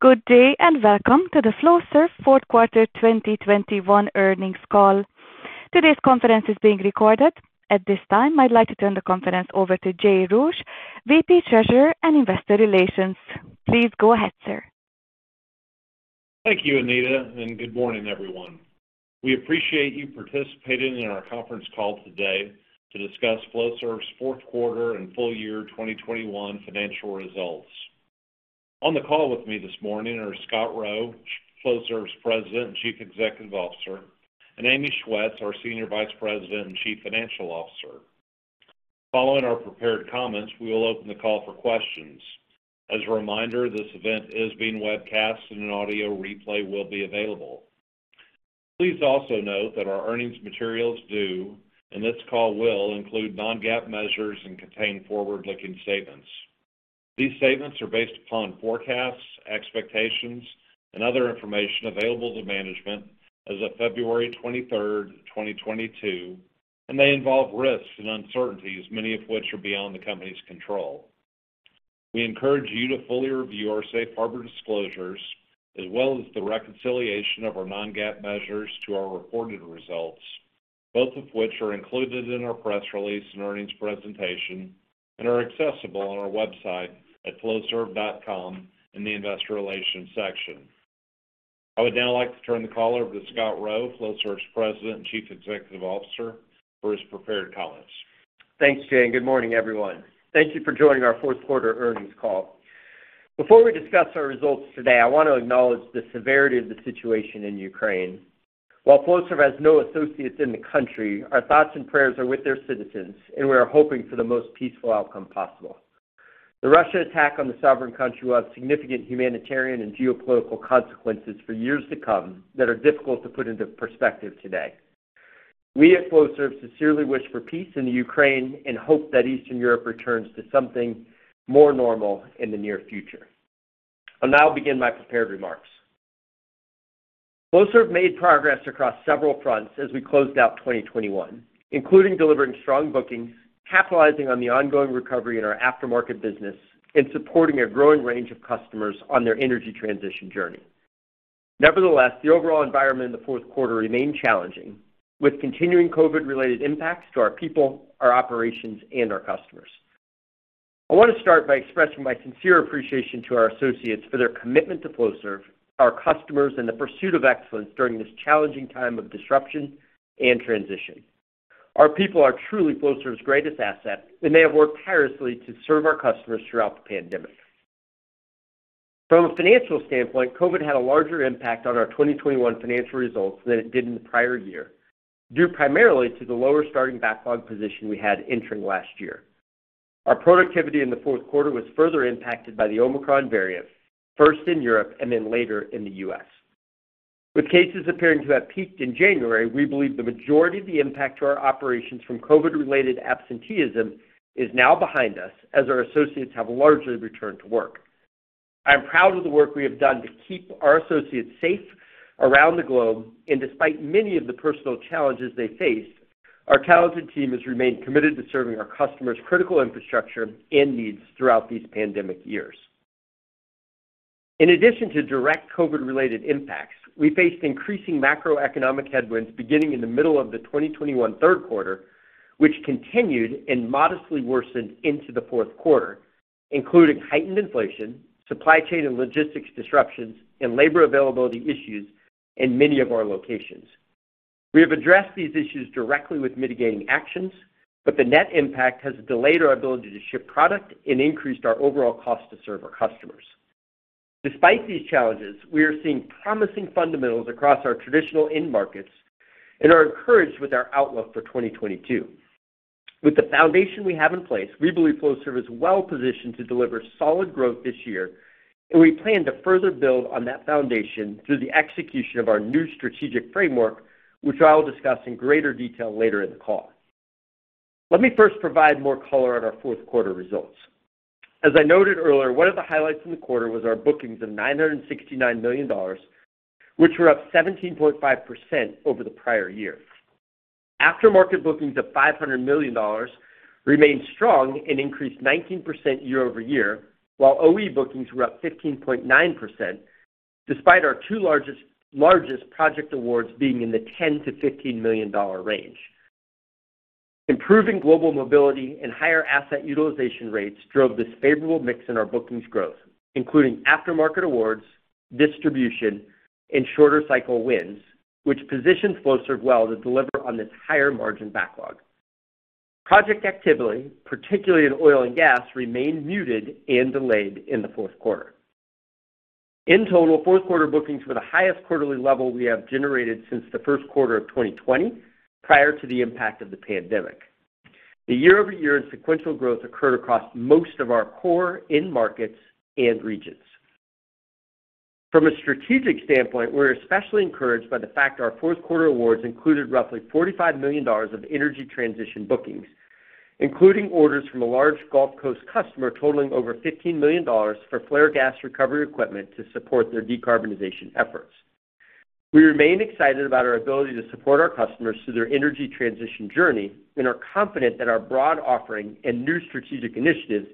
Good day, and welcome to the Flowserve Fourth Quarter 2021 earnings call. Today's conference is being recorded. At this time, I'd like to turn the conference over to Jay Roueche, VP Treasurer and Investor Relations. Please go ahead, sir. Thank you, Anita, and good morning, everyone. We appreciate you participating in our conference call today to discuss Flowserve's fourth quarter and full year 2021 financial results. On the call with me this morning are Scott Rowe, Flowserve's President and Chief Executive Officer, and Amy Schwetz, our Senior Vice President and Chief Financial Officer. Following our prepared comments, we will open the call for questions. As a reminder, this event is being webcast and an audio replay will be available. Please also note that our earnings materials do, and this call will, include non-GAAP measures and contain forward-looking statements. These statements are based upon forecasts, expectations, and other information available to management as of February 23, 2022, and they involve risks and uncertainties, many of which are beyond the company's control. We encourage you to fully review our safe harbor disclosures as well as the reconciliation of our non-GAAP measures to our reported results, both of which are included in our press release and earnings presentation and are accessible on our website at flowserve.com in the Investor Relations section. I would now like to turn the call over to Scott Rowe, Flowserve's President and Chief Executive Officer for his prepared comments. Thanks, Jay, and good morning, everyone. Thank you for joining our fourth quarter earnings call. Before we discuss our results today, I want to acknowledge the severity of the situation in Ukraine. While Flowserve has no associates in the country, our thoughts and prayers are with their citizens, and we are hoping for the most peaceful outcome possible. The Russian attack on the sovereign country will have significant humanitarian and geopolitical consequences for years to come that are difficult to put into perspective today. We at Flowserve sincerely wish for peace in the Ukraine and hope that Eastern Europe returns to something more normal in the near future. I'll now begin my prepared remarks. Flowserve made progress across several fronts as we closed out 2021, including delivering strong bookings, capitalizing on the ongoing recovery in our aftermarket business, and supporting a growing range of customers on their energy transition journey. Nevertheless, the overall environment in the fourth quarter remained challenging, with continuing COVID-related impacts to our people, our operations, and our customers. I want to start by expressing my sincere appreciation to our associates for their commitment to Flowserve, our customers, and the pursuit of excellence during this challenging time of disruption and transition. Our people are truly Flowserve's greatest asset, and they have worked tirelessly to serve our customers throughout the pandemic. From a financial standpoint, COVID had a larger impact on our 2021 financial results than it did in the prior year, due primarily to the lower starting backlog position we had entering last year. Our productivity in the fourth quarter was further impacted by the Omicron variant, first in Europe and then later in the U.S. With cases appearing to have peaked in January, we believe the majority of the impact to our operations from COVID-related absenteeism is now behind us as our associates have largely returned to work. I am proud of the work we have done to keep our associates safe around the globe. Despite many of the personal challenges they faced, our talented team has remained committed to serving our customers' critical infrastructure and needs throughout these pandemic years. In addition to direct COVID-related impacts, we faced increasing macroeconomic headwinds beginning in the middle of the 2021 third quarter, which continued and modestly worsened into the fourth quarter, including heightened inflation, supply chain and logistics disruptions, and labor availability issues in many of our locations. We have addressed these issues directly with mitigating actions, but the net impact has delayed our ability to ship product and increased our overall cost to serve our customers. Despite these challenges, we are seeing promising fundamentals across our traditional end markets and are encouraged with our outlook for 2022. With the foundation we have in place, we believe Flowserve is well positioned to deliver solid growth this year, and we plan to further build on that foundation through the execution of our new strategic framework, which I will discuss in greater detail later in the call. Let me first provide more color on our fourth quarter results. As I noted earlier, one of the highlights in the quarter was our bookings of $969 million, which were up 17.5% over the prior year. Aftermarket bookings of $500 million remained strong and increased 19% year-over-year, while OE bookings were up 15.9% despite our two largest project awards being in the $10 -15 million range. Improving global mobility and higher asset utilization rates drove this favorable mix in our bookings growth, including aftermarket awards, distribution, and shorter cycle wins, which positions Flowserve well to deliver on this higher margin backlog. Project activity, particularly in oil and gas, remained muted and delayed in the fourth quarter. In total, fourth quarter bookings were the highest quarterly level we have generated since the first quarter of 2020, prior to the impact of the pandemic. The year-over-year and sequential growth occurred across most of our core end markets and regions. From a strategic standpoint, we're especially encouraged by the fact our fourth quarter awards included roughly $45 million of energy transition bookings. Including orders from a large Gulf Coast customer totaling over $15 million for flare gas recovery equipment to support their decarbonization efforts. We remain excited about our ability to support our customers through their energy transition journey, and are confident that our broad offering and new strategic initiatives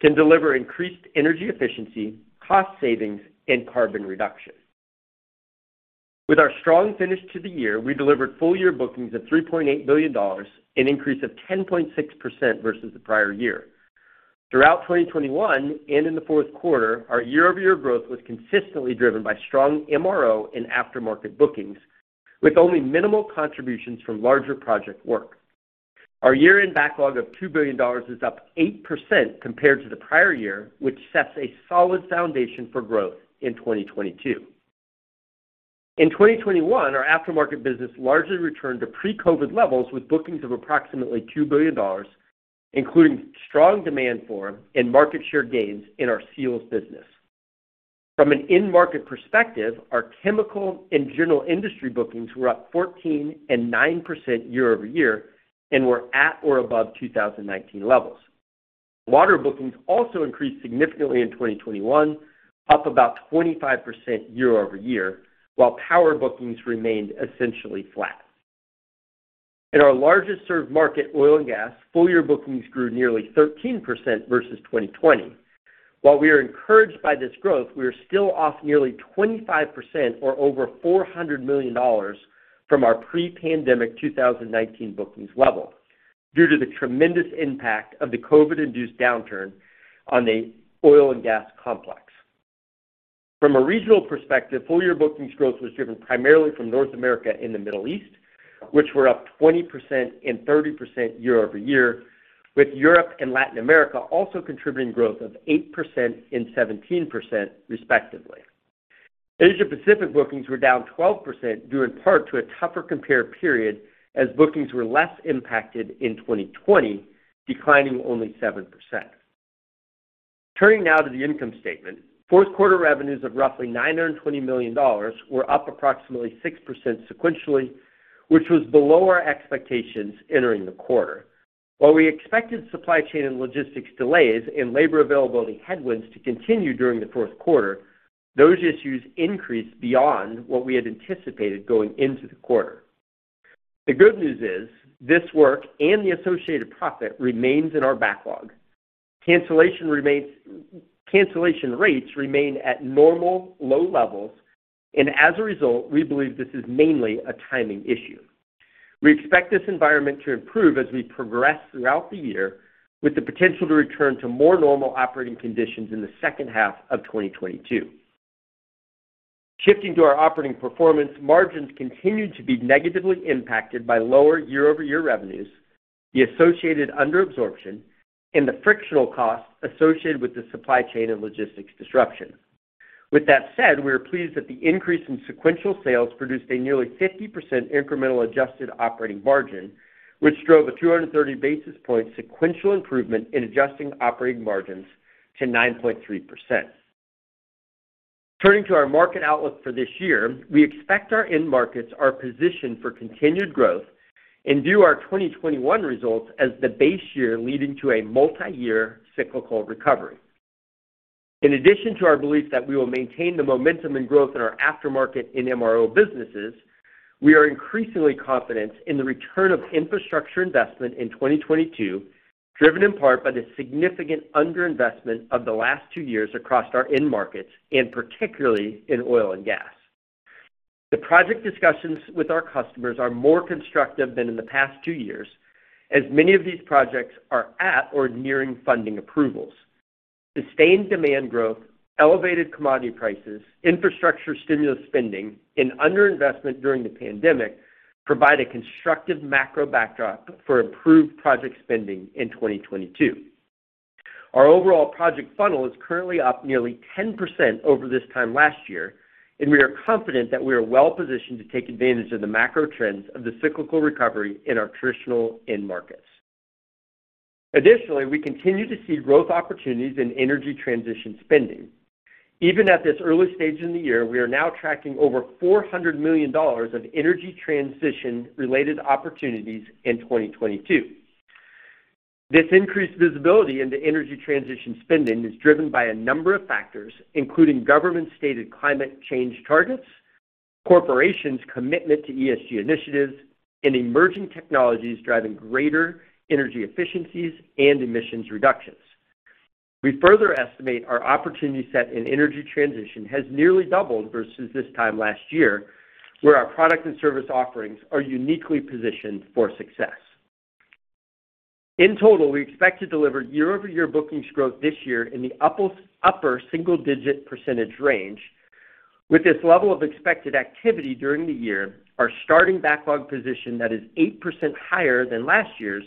can deliver increased energy efficiency, cost savings, and carbon reduction. With our strong finish to the year, we delivered full year bookings of $3.8 billion, an increase of 10.6% versus the prior year. Throughout 2021 and in the fourth quarter, our year-over-year growth was consistently driven by strong MRO and aftermarket bookings, with only minimal contributions from larger project work. Our year-end backlog of $2 billion is up 8% compared to the prior year, which sets a solid foundation for growth in 2022. In 2021, our aftermarket business largely returned to pre-COVID levels with bookings of approximately $2 billion, including strong demand for and market share gains in our seals business. From an end market perspective, our chemical and general industry bookings were up 14% and 9% year-over-year and were at or above 2019 levels. Water bookings also increased significantly in 2021, up about 25% year-over-year, while power bookings remained essentially flat. In our largest served market, oil and gas, full year bookings grew nearly 13% versus 2020. While we are encouraged by this growth, we are still off nearly 25% or over $400 million from our pre-pandemic 2019 bookings level due to the tremendous impact of the COVID-induced downturn on the oil and gas complex. From a regional perspective, full year bookings growth was driven primarily from North America and the Middle East, which were up 20% and 30% year-over-year, with Europe and Latin America also contributing growth of 8% and 17% respectively. Asia-Pacific bookings were down 12% due in part to a tougher compare period as bookings were less impacted in 2020, declining only 7%. Turning now to the income statement, fourth quarter revenues of roughly $920 million were up approximately 6% sequentially, which was below our expectations entering the quarter. While we expected supply chain and logistics delays and labor availability headwinds to continue during the fourth quarter, those issues increased beyond what we had anticipated going into the quarter. The good news is this work and the associated profit remains in our backlog. Cancellation rates remain at normal low levels. As a result, we believe this is mainly a timing issue. We expect this environment to improve as we progress throughout the year, with the potential to return to more normal operating conditions in the second half of 2022. Shifting to our operating performance, margins continued to be negatively impacted by lower year-over-year revenues, the associated under-absorption, and the frictional costs associated with the supply chain and logistics disruption. With that said, we are pleased that the increase in sequential sales produced a nearly 50% incremental adjusted operating margin, which drove a 230 basis point sequential improvement in adjusted operating margins to 9.3%. Turning to our market outlook for this year, we expect our end markets are positioned for continued growth and view our 2021 results as the base year leading to a multi-year cyclical recovery. In addition to our belief that we will maintain the momentum and growth in our aftermarket and MRO businesses, we are increasingly confident in the return of infrastructure investment in 2022, driven in part by the significant under-investment of the last two years across our end markets, and particularly in oil and gas. The project discussions with our customers are more constructive than in the past two years, as many of these projects are at or nearing funding approvals. Sustained demand growth, elevated commodity prices, infrastructure stimulus spending, and under-investment during the pandemic provide a constructive macro backdrop for improved project spending in 2022. Our overall project funnel is currently up nearly 10% over this time last year, and we are confident that we are well-positioned to take advantage of the macro trends of the cyclical recovery in our traditional end markets. Additionally, we continue to see growth opportunities in energy transition spending. Even at this early stage in the year, we are now tracking over $400 million of energy transition-related opportunities in 2022. This increased visibility into energy transition spending is driven by a number of factors, including government-stated climate change targets, corporations' commitment to ESG initiatives, and emerging technologies driving greater energy efficiencies and emissions reductions. We further estimate our opportunity set in energy transition has nearly doubled versus this time last year, where our product and service offerings are uniquely positioned for success. In total, we expect to deliver year-over-year bookings growth this year in the upper single digit percentage range. With this level of expected activity during the year, our starting backlog position that is 8% higher than last year's,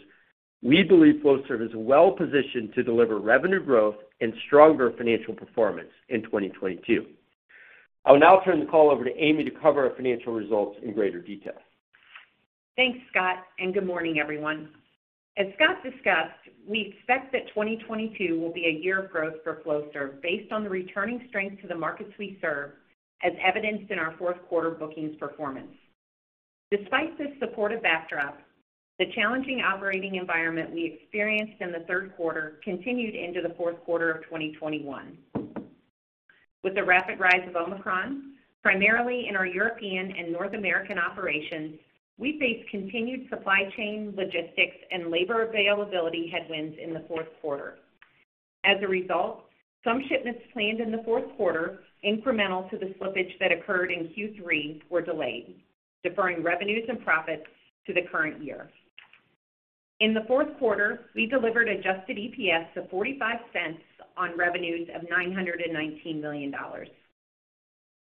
we believe Flowserve is well-positioned to deliver revenue growth and stronger financial performance in 2022. I will now turn the call over to Amy to cover our financial results in greater detail. Thanks, Scott, and good morning, everyone. As Scott discussed, we expect that 2022 will be a year of growth for Flowserve based on the returning strength to the markets we serve, as evidenced in our fourth quarter bookings performance. Despite this supportive backdrop, the challenging operating environment we experienced in the third quarter continued into the fourth quarter of 2021. With the rapid rise of Omicron, primarily in our European and North American operations, we faced continued supply chain, logistics, and labor availability headwinds in the fourth quarter. As a result, some shipments planned in the fourth quarter incremental to the slippage that occurred in Q3 were delayed, deferring revenues and profits to the current year. In the fourth quarter, we delivered adjusted EPS of $0.45 on revenues of $919 million.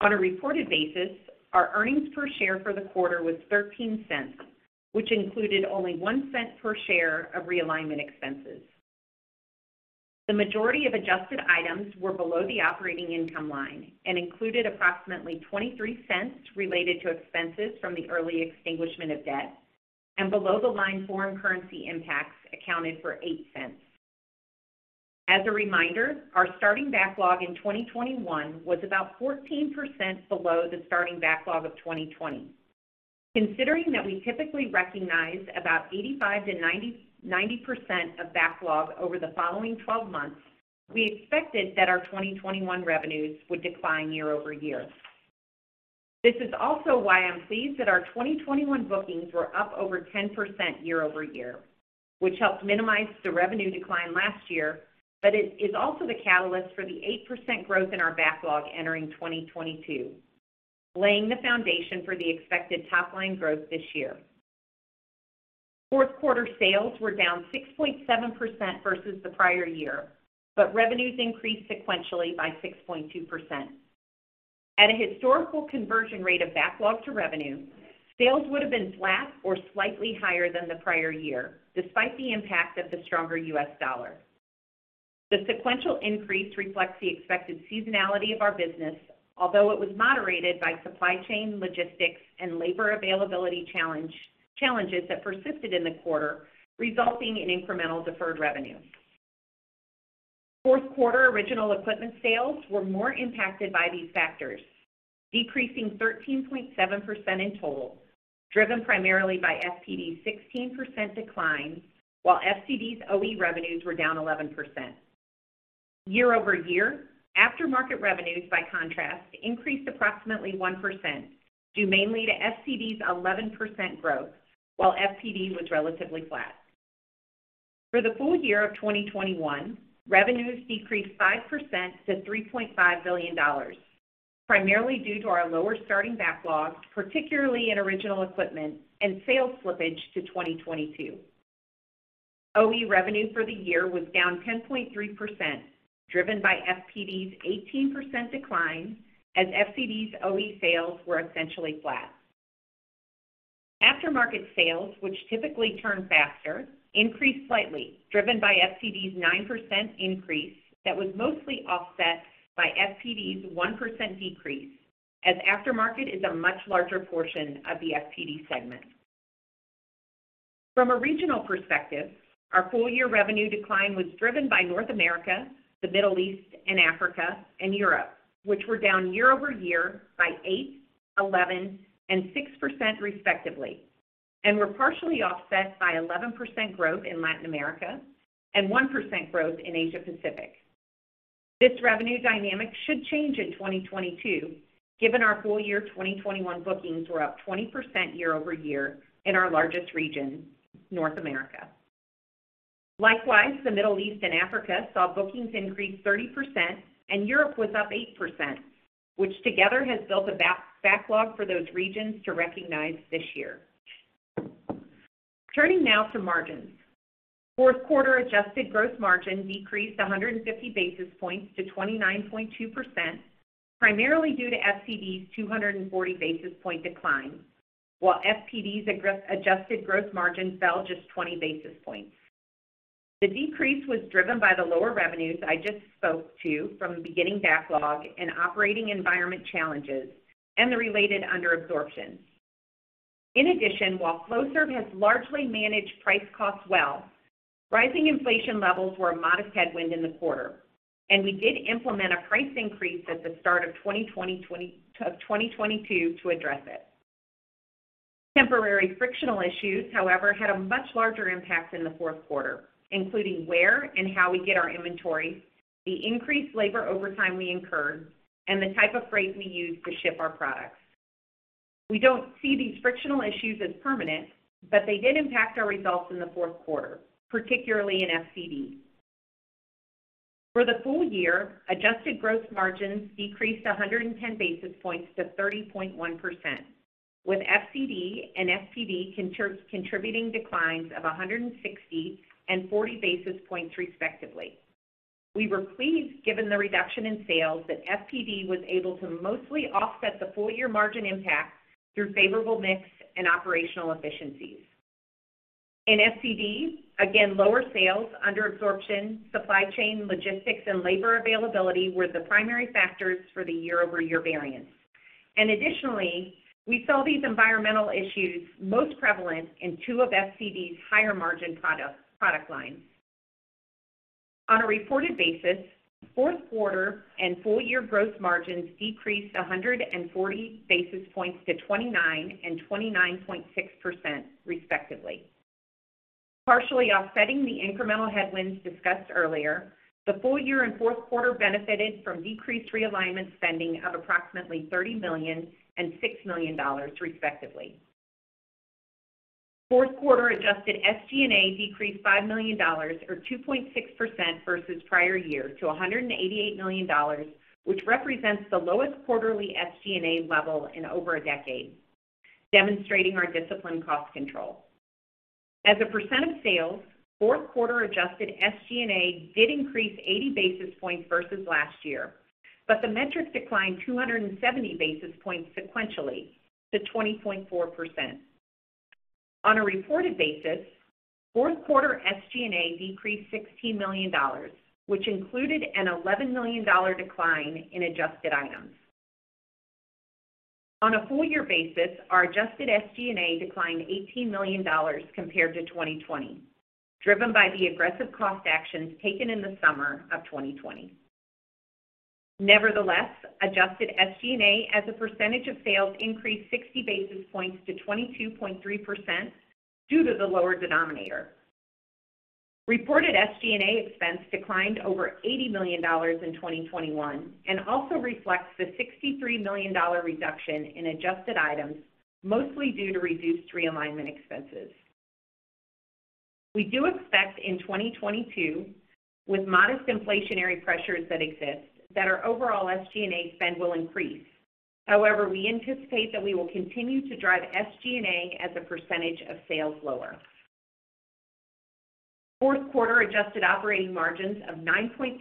On a reported basis, our earnings per share for the quarter was $0.13, which included only $0.01 per share of realignment expenses. The majority of adjusted items were below the operating income line and included approximately $0.23 related to expenses from the early extinguishment of debt, and below-the-line foreign currency impacts accounted for $0.08. As a reminder, our starting backlog in 2021 was about 14% below the starting backlog of 2020. Considering that we typically recognize about 85%-90% of backlog over the following twelve months, we expected that our 2021 revenues would decline year-over-year. This is also why I'm pleased that our 2021 bookings were up over 10% year-over-year, which helped minimize the revenue decline last year, but it is also the catalyst for the 8% growth in our backlog entering 2022, laying the foundation for the expected top-line growth this year. Fourth quarter sales were down 6.7% versus the prior year, but revenues increased sequentially by 6.2%. At a historical conversion rate of backlog to revenue, sales would have been flat or slightly higher than the prior year, despite the impact of the stronger U.S. dollar. The sequential increase reflects the expected seasonality of our business, although it was moderated by supply chain logistics and labor availability challenges that persisted in the quarter, resulting in incremental deferred revenue. Fourth quarter original equipment sales were more impacted by these factors, decreasing 13.7% in total, driven primarily by FPD's 16% decline, while FCD's OE revenues were down 11%. Year over year, aftermarket revenues, by contrast, increased approximately 1% due mainly to FCD's 11% growth while FPD was relatively flat. For the full year of 2021, revenues decreased 5% to $3.5 billion, primarily due to our lower starting backlogs, particularly in original equipment and sales slippage to 2022. OE revenue for the year was down 10.3%, driven by FPD's 18% decline as FCD's OE sales were essentially flat. Aftermarket sales, which typically turn faster, increased slightly, driven by FCD's 9% increase that was mostly offset by FPD's 1% decrease as aftermarket is a much larger portion of the FPD segment. From a regional perspective, our full year revenue decline was driven by North America, the Middle East and Africa, and Europe, which were down year-over-year by 8%, 11%, and 6%, respectively, and were partially offset by 11% growth in Latin America and 1% growth in Asia Pacific. This revenue dynamic should change in 2022, given our Full Year 2021 bookings were up 20% year-over-year in our largest region, North America. Likewise, the Middle East and Africa saw bookings increase 30% and Europe was up 8%, which together has built a backlog for those regions to recognize this year. Turning now to margins. Fourth quarter adjusted gross margin decreased 150 basis points to 29.2%, primarily due to FCD's 240 basis point decline, while FPD's adjusted gross margin fell just 20 basis points. The decrease was driven by the lower revenues I just spoke to from beginning backlog and operating environment challenges and the related underabsorption. In addition, while Flowserve has largely managed price costs well, rising inflation levels were a modest headwind in the quarter, and we did implement a price increase at the start of 2022 to address it. Temporary frictional issues, however, had a much larger impact in the fourth quarter, including where and how we get our inventory, the increased labor overtime we incurred, and the type of freight we use to ship our products. We don't see these frictional issues as permanent, but they did impact our results in the fourth quarter, particularly in FCD. For the full year, adjusted gross margins decreased 110 basis points to 30.1%, with FCD and FPD contributing declines of 160 and 40 basis points, respectively. We were pleased, given the reduction in sales, that FPD was able to mostly offset the full-year margin impact through favorable mix and operational efficiencies. In FCD, again, lower sales, underabsorption, supply chain logistics, and labor availability were the primary factors for the year-over-year variance. Additionally, we saw these environmental issues most prevalent in two of FCD's higher margin product lines. On a reported basis, fourth quarter and full year gross margins decreased 140 basis points to 29% and 29.6%, respectively. Partially offsetting the incremental headwinds discussed earlier, the full year and fourth quarter benefited from decreased realignment spending of approximately $30 million and $6 million respectively. Fourth quarter adjusted SG&A decreased $5 million or 2.6% versus prior year to $188 million, which represents the lowest quarterly SG&A level in over a decade, demonstrating our disciplined cost control. As a percent of sales, fourth quarter adjusted SG&A did increase 80 basis points versus last year, but the metrics declined 270 basis points sequentially to 20.4%. On a reported basis, fourth quarter SG&A decreased $16 million, which included an $11 million decline in adjusted items. On a full year basis, our adjusted SG&A declined $18 million compared to 2020, driven by the aggressive cost actions taken in the summer of 2020. Nevertheless, adjusted SG&A as a percentage of sales increased 60 basis points to 22.3% due to the lower denominator. Reported SG&A expense declined over $80 million in 2021 and also reflects the $63 million reduction in adjusted items, mostly due to reduced realignment expenses. We do expect in 2022, with modest inflationary pressures that exist, that our overall SG&A spend will increase. However, we anticipate that we will continue to drive SG&A as a percentage of sales lower. Fourth quarter adjusted operating margins of 9.3%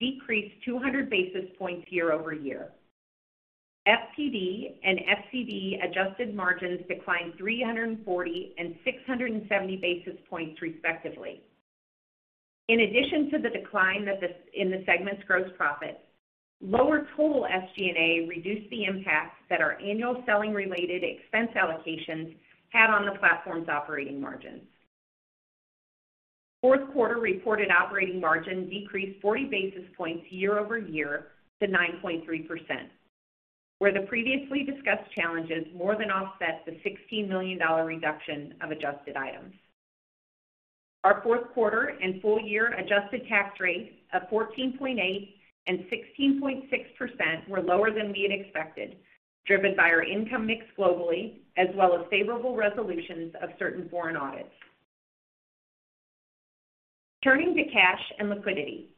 decreased 200 basis points year-over-year. FPD and FCD adjusted margins declined 340 and 670 basis points, respectively. In addition to the decline in the segment's gross profit, lower total SG&A reduced the impact that our annual selling related expense allocations had on the platform's operating margins. Fourth quarter reported operating margin decreased 40 basis points year-over-year to 9.3%, where the previously discussed challenges more than offset the $16 million reduction of adjusted items. Our fourth quarter and full year adjusted tax rate of 14.8% and 16.6% were lower than we had expected, driven by our income mix globally as well as favorable resolutions of certain foreign audits. Turning to cash and liquidity.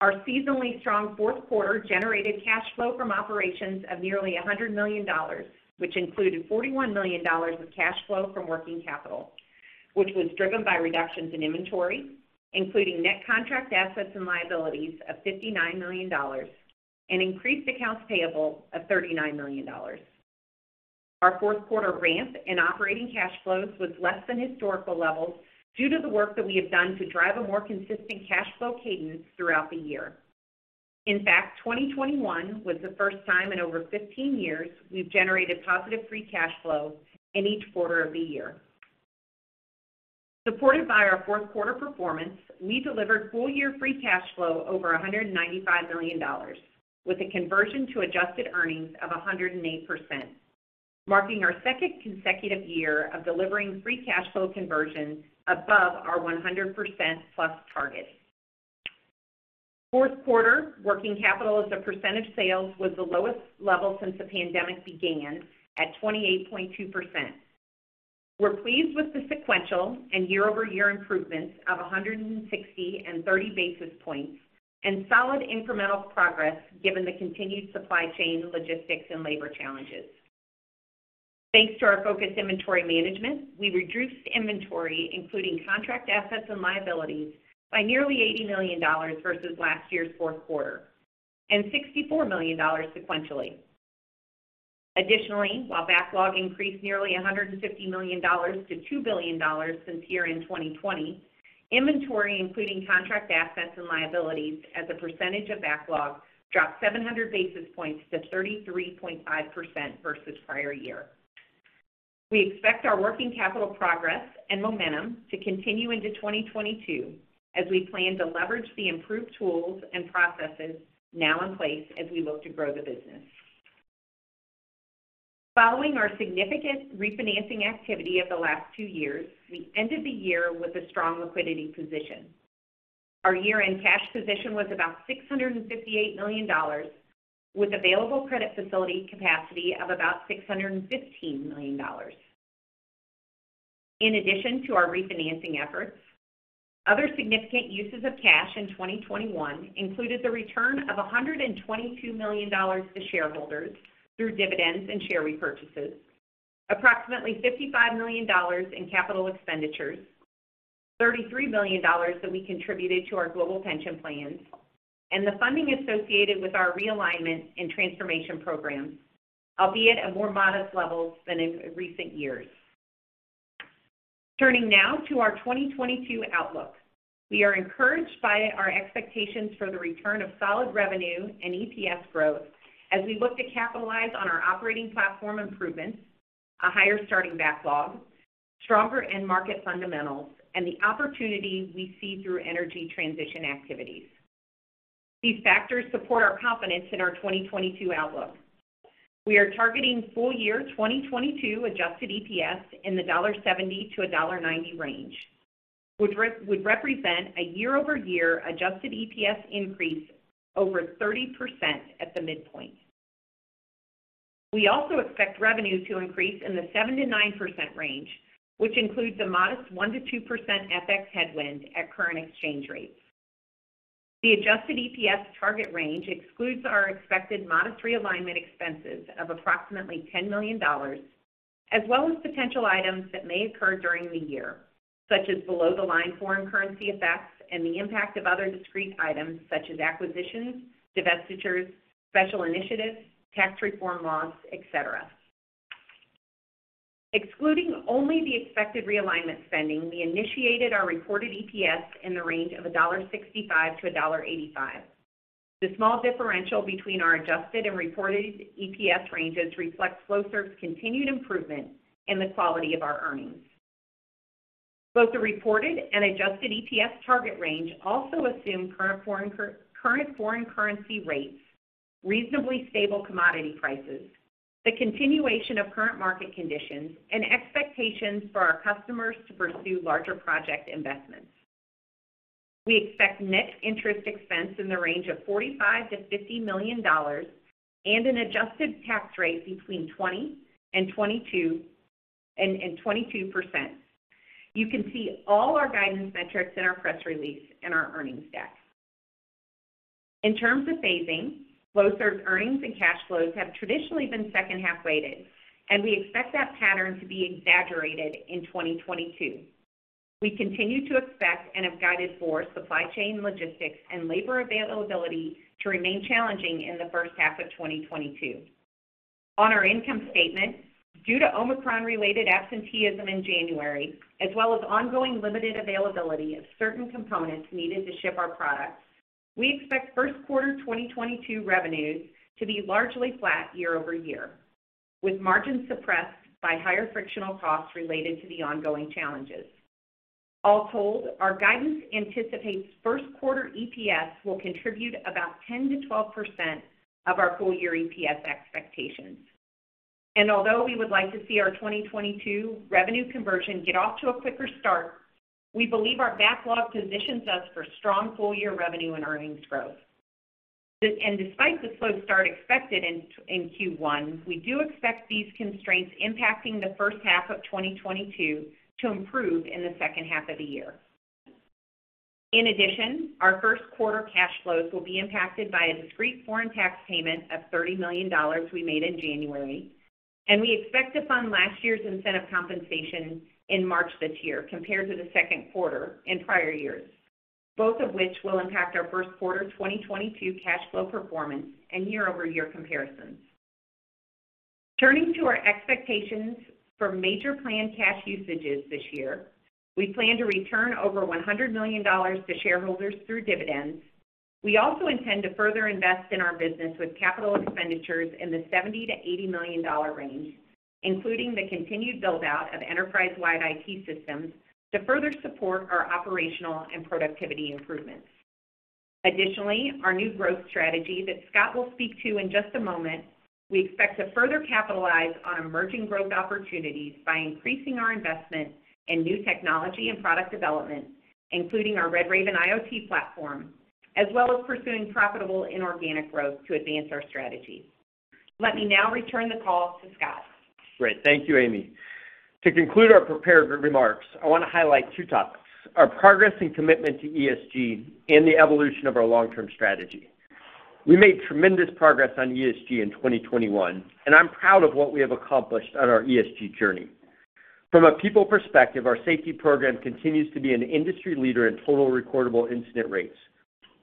Our seasonally strong fourth quarter generated cash flow from operations of nearly $100 million, which included $41 million of cash flow from working capital, which was driven by reductions in inventory, including net contract assets and liabilities of $59 million and increased accounts payable of $39 million. Our fourth quarter ramp in operating cash flows was less than historical levels due to the work that we have done to drive a more consistent cash flow cadence throughout the year. In fact, 2021 was the first time in over 15 years we've generated positive free cash flow in each quarter of the year. Supported by our fourth quarter performance, we delivered full year free cash flow over $195 million with a conversion to adjusted earnings of 108%, marking our second consecutive year of delivering free cash flow conversion above our 100%+ target. Fourth quarter working capital as a percentage of sales was the lowest level since the pandemic began at 28.2%. We're pleased with the sequential and year-over-year improvements of 160 and 30 basis points and solid incremental progress given the continued supply chain logistics and labor challenges. Thanks to our focused inventory management, we reduced inventory, including contract assets and liabilities, by nearly $80 million versus last year's fourth quarter and $64 million sequentially. Additionally, while backlog increased nearly $150 million to $2 billion since year-end 2020, inventory, including contract assets and liabilities as a percentage of backlog, dropped 700 basis points to 33.5% versus prior year. We expect our working capital progress and momentum to continue into 2022 as we plan to leverage the improved tools and processes now in place as we look to grow the business. Following our significant refinancing activity of the last two years, we ended the year with a strong liquidity position. Our year-end cash position was about $658 million, with available credit facility capacity of about $615 million. In addition to our refinancing efforts, other significant uses of cash in 2021 included the return of $122 million to shareholders through dividends and share repurchases, approximately $55 million in capital expenditures, $33 million that we contributed to our global pension plans, and the funding associated with our realignment and transformation programs, albeit at more modest levels than in recent years. Turning now to our 2022 outlook. We are encouraged by our expectations for the return of solid revenue and EPS growth as we look to capitalize on our operating platform improvements, a higher starting backlog, stronger end market fundamentals, and the opportunities we see through energy transition activities. These factors support our confidence in our 2022 outlook. We are targeting Full Year 2022 adjusted EPS in the $1.70-$1.90 range, which would represent a year-over-year adjusted EPS increase over 30% at the midpoint. We also expect revenue to increase in the 7%-9% range, which includes a modest 1%-2% FX headwind at current exchange rates. The adjusted EPS target range excludes our expected modest realignment expenses of approximately $10 million, as well as potential items that may occur during the year, such as below-the-line foreign currency effects and the impact of other discrete items, such as acquisitions, divestitures, special initiatives, tax reform laws, et cetera. Excluding only the expected realignment spending, we initiated our reported EPS in the range of $1.65-$1.85. The small differential between our adjusted and reported EPS ranges reflects Flowserve's continued improvement in the quality of our earnings. Both the reported and adjusted EPS target range also assume current foreign currency rates, reasonably stable commodity prices, the continuation of current market conditions, and expectations for our customers to pursue larger project investments. We expect net interest expense in the range of $45-50 million and an adjusted tax rate between 20%-22%. You can see all our guidance metrics in our press release and our earnings deck. In terms of phasing, Flowserve's earnings and cash flows have traditionally been second-half weighted, and we expect that pattern to be exaggerated in 2022. We continue to expect and have guided for supply chain logistics and labor availability to remain challenging in the first half of 2022. On our income statement, due to Omicron-related absenteeism in January, as well as ongoing limited availability of certain components needed to ship our products, we expect first quarter 2022 revenues to be largely flat year-over-year, with margins suppressed by higher frictional costs related to the ongoing challenges. All told, our guidance anticipates first quarter EPS will contribute about 10%-12% of our full-year EPS expectations. Although we would like to see our 2022 revenue conversion get off to a quicker start, we believe our backlog positions us for strong full-year revenue and earnings growth. Despite the slow start expected in Q1, we do expect these constraints impacting the first half of 2022 to improve in the second half of the year. In addition, our first quarter cash flows will be impacted by a discrete foreign tax payment of $30 million we made in January, and we expect to fund last year's incentive compensation in March this year compared to the second quarter in prior years, both of which will impact our first quarter 2022 cash flow performance and year-over-year comparisons. Turning to our expectations for major planned cash usages this year, we plan to return over $100 million to shareholders through dividends. We also intend to further invest in our business with capital expenditures in the $70- 80 million range, including the continued build-out of enterprise-wide IT systems to further support our operational and productivity improvements. Additionally, our new growth strategy that Scott will speak to in just a moment, we expect to further capitalize on emerging growth opportunities by increasing our investment in new technology and product development, including our RedRaven IoT platform, as well as pursuing profitable inorganic growth to advance our strategy. Let me now return the call to Scott. Great. Thank you, Amy. To conclude our prepared remarks, I want to highlight two topics, our progress and commitment to ESG and the evolution of our long-term strategy. We made tremendous progress on ESG in 2021, and I'm proud of what we have accomplished on our ESG journey. From a people perspective, our safety program continues to be an industry leader in total recordable incident rates.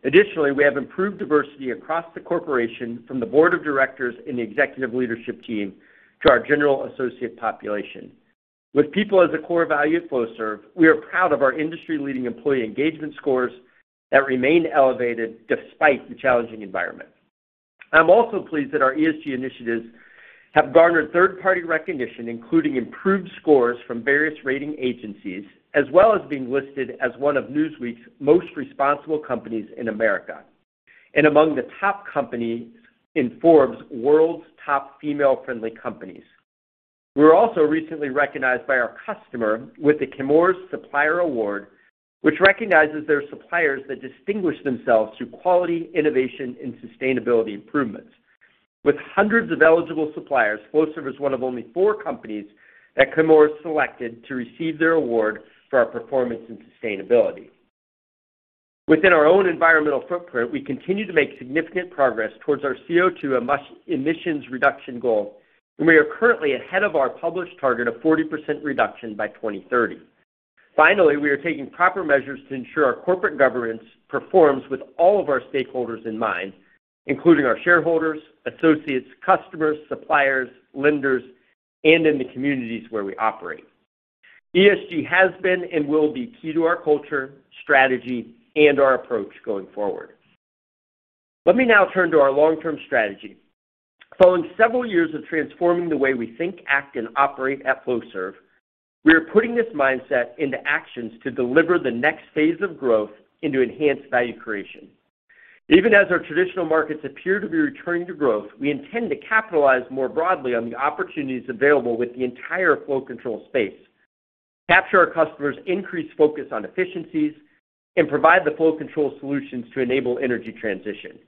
Additionally, we have improved diversity across the corporation from the board of directors and the executive leadership team to our general associate population. With people as a core value at Flowserve, we are proud of our industry-leading employee engagement scores that remain elevated despite the challenging environment. I'm also pleased that our ESG initiatives have garnered third-party recognition, including improved scores from various rating agencies, as well as being listed as one of Newsweek's most responsible companies in America and among the top companies in Forbes World's Top Female-Friendly Companies. We were also recently recognized by our customer with the Chemours Supplier Award, which recognizes their suppliers that distinguish themselves through quality, innovation, and sustainability improvements. With hundreds of eligible suppliers, Flowserve is one of only four companies that Chemours selected to receive their award for our performance and sustainability. Within our own environmental footprint, we continue to make significant progress towards our CO2 emissions reduction goal, and we are currently ahead of our published target of 40% reduction by 2030. Finally, we are taking proper measures to ensure our corporate governance performs with all of our stakeholders in mind, including our shareholders, associates, customers, suppliers, lenders, and in the communities where we operate. ESG has been and will be key to our culture, strategy, and our approach going forward. Let me now turn to our long-term strategy. Following several years of transforming the way we think, act, and operate at Flowserve, we are putting this mindset into actions to deliver the next phase of growth into enhanced value creation. Even as our traditional markets appear to be returning to growth, we intend to capitalize more broadly on the opportunities available with the entire flow control space, capture our customers' increased focus on efficiencies, and provide the flow control solutions to enable energy transition.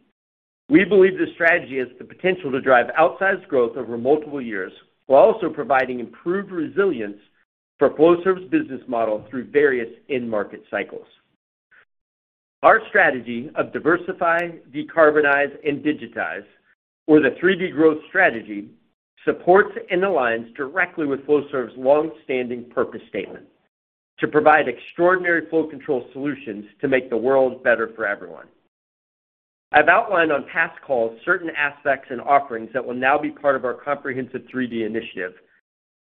We believe this strategy has the potential to drive outsized growth over multiple years, while also providing improved resilience for Flowserve's business model through various end market cycles. Our strategy of diversify, decarbonize, and digitize, or the 3D Growth Strategy, supports and aligns directly with Flowserve's long-standing purpose statement, to provide extraordinary flow control solutions to make the world better for everyone. I've outlined on past calls certain aspects and offerings that will now be part of our comprehensive 3D Initiative.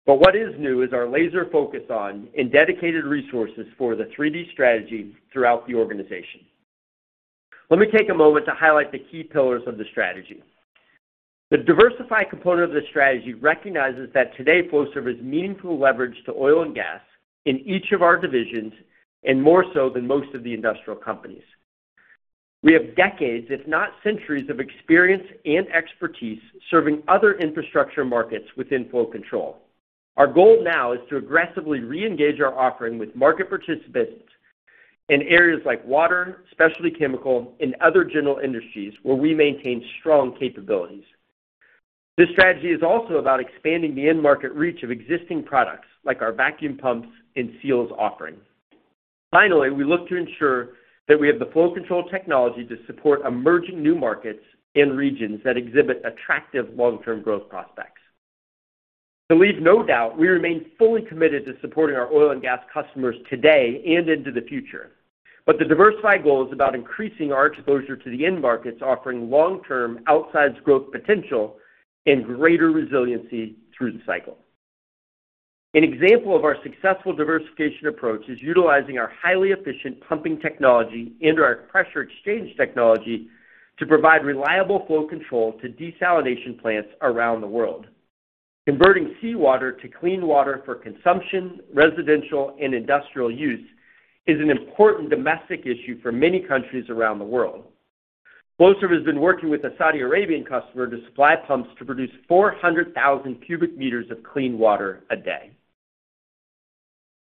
What is new is our laser focus on, and dedicated resources for, the 3D Growth Strategy throughout the organization. Let me take a moment to highlight the key pillars of the strategy. The diversify component of the strategy recognizes that today, Flowserve is meaningful leverage to oil and gas in each of our divisions, and more so than most of the industrial companies. We have decades, if not centuries, of experience and expertise serving other infrastructure markets within flow control. Our goal now is to aggressively reengage our offering with market participants in areas like water, specialty chemical, and other general industries where we maintain strong capabilities. This strategy is also about expanding the end market reach of existing products, like our vacuum pumps and seals offering. Finally, we look to ensure that we have the flow control technology to support emerging new markets and regions that exhibit attractive long-term growth prospects. To leave no doubt, we remain fully committed to supporting our oil and gas customers today and into the future. The diversified goal is about increasing our exposure to the end markets, offering long-term outsized growth potential and greater resiliency through the cycle. An example of our successful diversification approach is utilizing our highly efficient pumping technology into our pressure exchange technology to provide reliable flow control to desalination plants around the world. Converting seawater to clean water for consumption, residential, and industrial use is an important domestic issue for many countries around the world. Flowserve has been working with a Saudi Arabian customer to supply pumps to produce 400,000 cubic meters of clean water a day.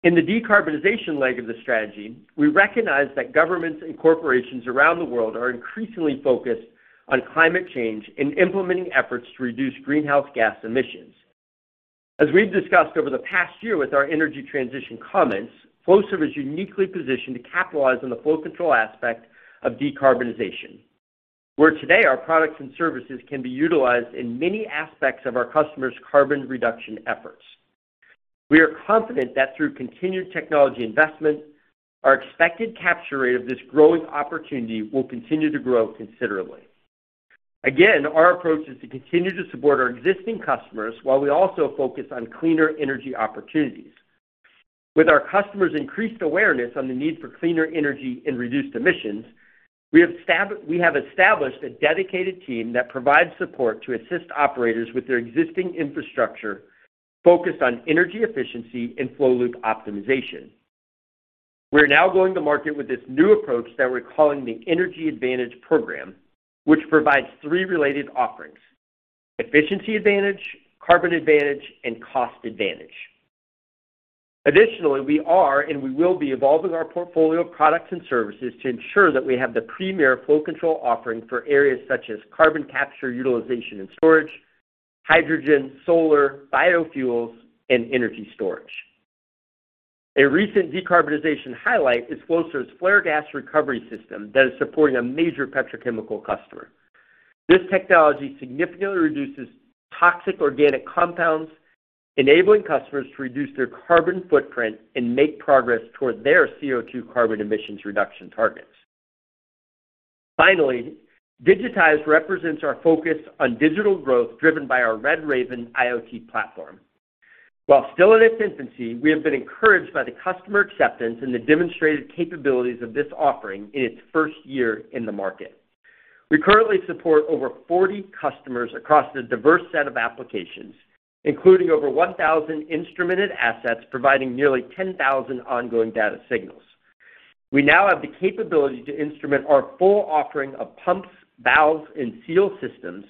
In the decarbonization leg of the strategy, we recognize that governments and corporations around the world are increasingly focused on climate change and implementing efforts to reduce greenhouse gas emissions. As we've discussed over the past year with our energy transition comments, Flowserve is uniquely positioned to capitalize on the flow control aspect of decarbonization, where today our products and services can be utilized in many aspects of our customers' carbon reduction efforts. We are confident that through continued technology investment, our expected capture rate of this growing opportunity will continue to grow considerably. Again, our approach is to continue to support our existing customers while we also focus on cleaner energy opportunities. With our customers' increased awareness on the need for cleaner energy and reduced emissions, we have established a dedicated team that provides support to assist operators with their existing infrastructure focused on energy efficiency and flow loop optimization. We're now going to market with this new approach that we're calling the Energy Advantage Program, which provides three related offerings, efficiency advantage, carbon advantage, and cost advantage. Additionally, we are and we will be evolving our portfolio of products and services to ensure that we have the premier flow control offering for areas such as carbon capture, utilization, and storage, hydrogen, solar, biofuels, and energy storage. A recent decarbonization highlight is Flowserve's flare gas recovery system that is supporting a major petrochemical customer. This technology significantly reduces toxic organic compounds, enabling customers to reduce their carbon footprint and make progress toward their CO2 carbon emissions reduction targets. Finally, Digitize represents our focus on digital growth driven by our RedRaven IoT platform. While still in its infancy, we have been encouraged by the customer acceptance and the demonstrated capabilities of this offering in its first year in the market. We currently support over 40 customers across a diverse set of applications, including over 1,000 instrumented assets, providing nearly 10,000 ongoing data signals. We now have the capability to instrument our full offering of pumps, valves, and seal systems,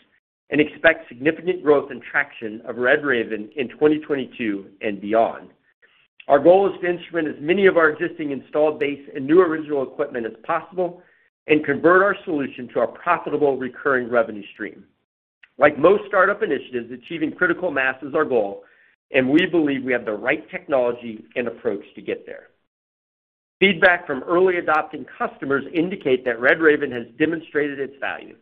and expect significant growth and traction of RedRaven in 2022 and beyond. Our goal is to instrument as many of our existing installed base and new original equipment as possible and convert our solution to a profitable recurring revenue stream. Like most startup initiatives, achieving critical mass is our goal, and we believe we have the right technology and approach to get there. Feedback from early adopting customers indicate that RedRaven has demonstrated its value.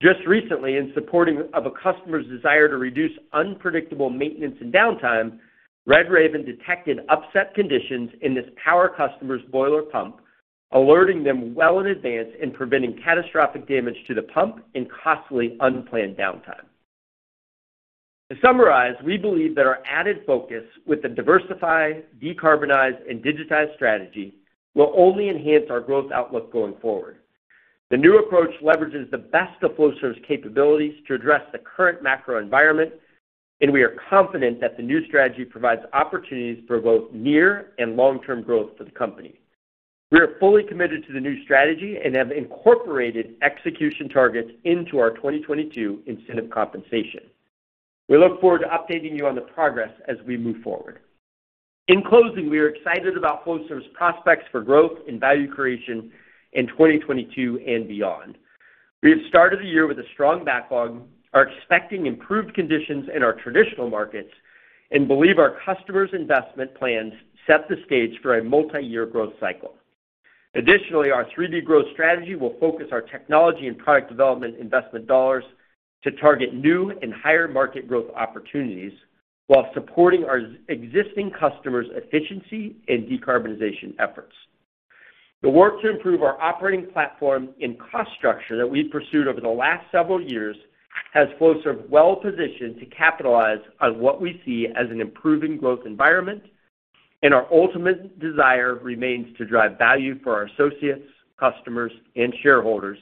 Just recently, in supporting of a customer's desire to reduce unpredictable maintenance and downtime, RedRaven detected upset conditions in this power customer's boiler pump, alerting them well in advance and preventing catastrophic damage to the pump and costly unplanned downtime. To summarize, we believe that our added focus with the Diversify, Decarbonize, and Digitize strategy will only enhance our growth outlook going forward. The new approach leverages the best of Flowserve's capabilities to address the current macro environment, and we are confident that the new strategy provides opportunities for both near and long-term growth for the company. We are fully committed to the new strategy and have incorporated execution targets into our 2022 incentive compensation. We look forward to updating you on the progress as we move forward. In closing, we are excited about Flowserve's prospects for growth and value creation in 2022 and beyond. We have started the year with a strong backlog, are expecting improved conditions in our traditional markets, and believe our customers' investment plans set the stage for a multi-year growth cycle. Additionally, our 3D Growth Strategy will focus our technology and product development investment dollars to target new and higher market growth opportunities while supporting our existing customers' efficiency and decarbonization efforts. The work to improve our operating platform and cost structure that we've pursued over the last several years has Flowserve well-positioned to capitalize on what we see as an improving growth environment, and our ultimate desire remains to drive value for our associates, customers, and shareholders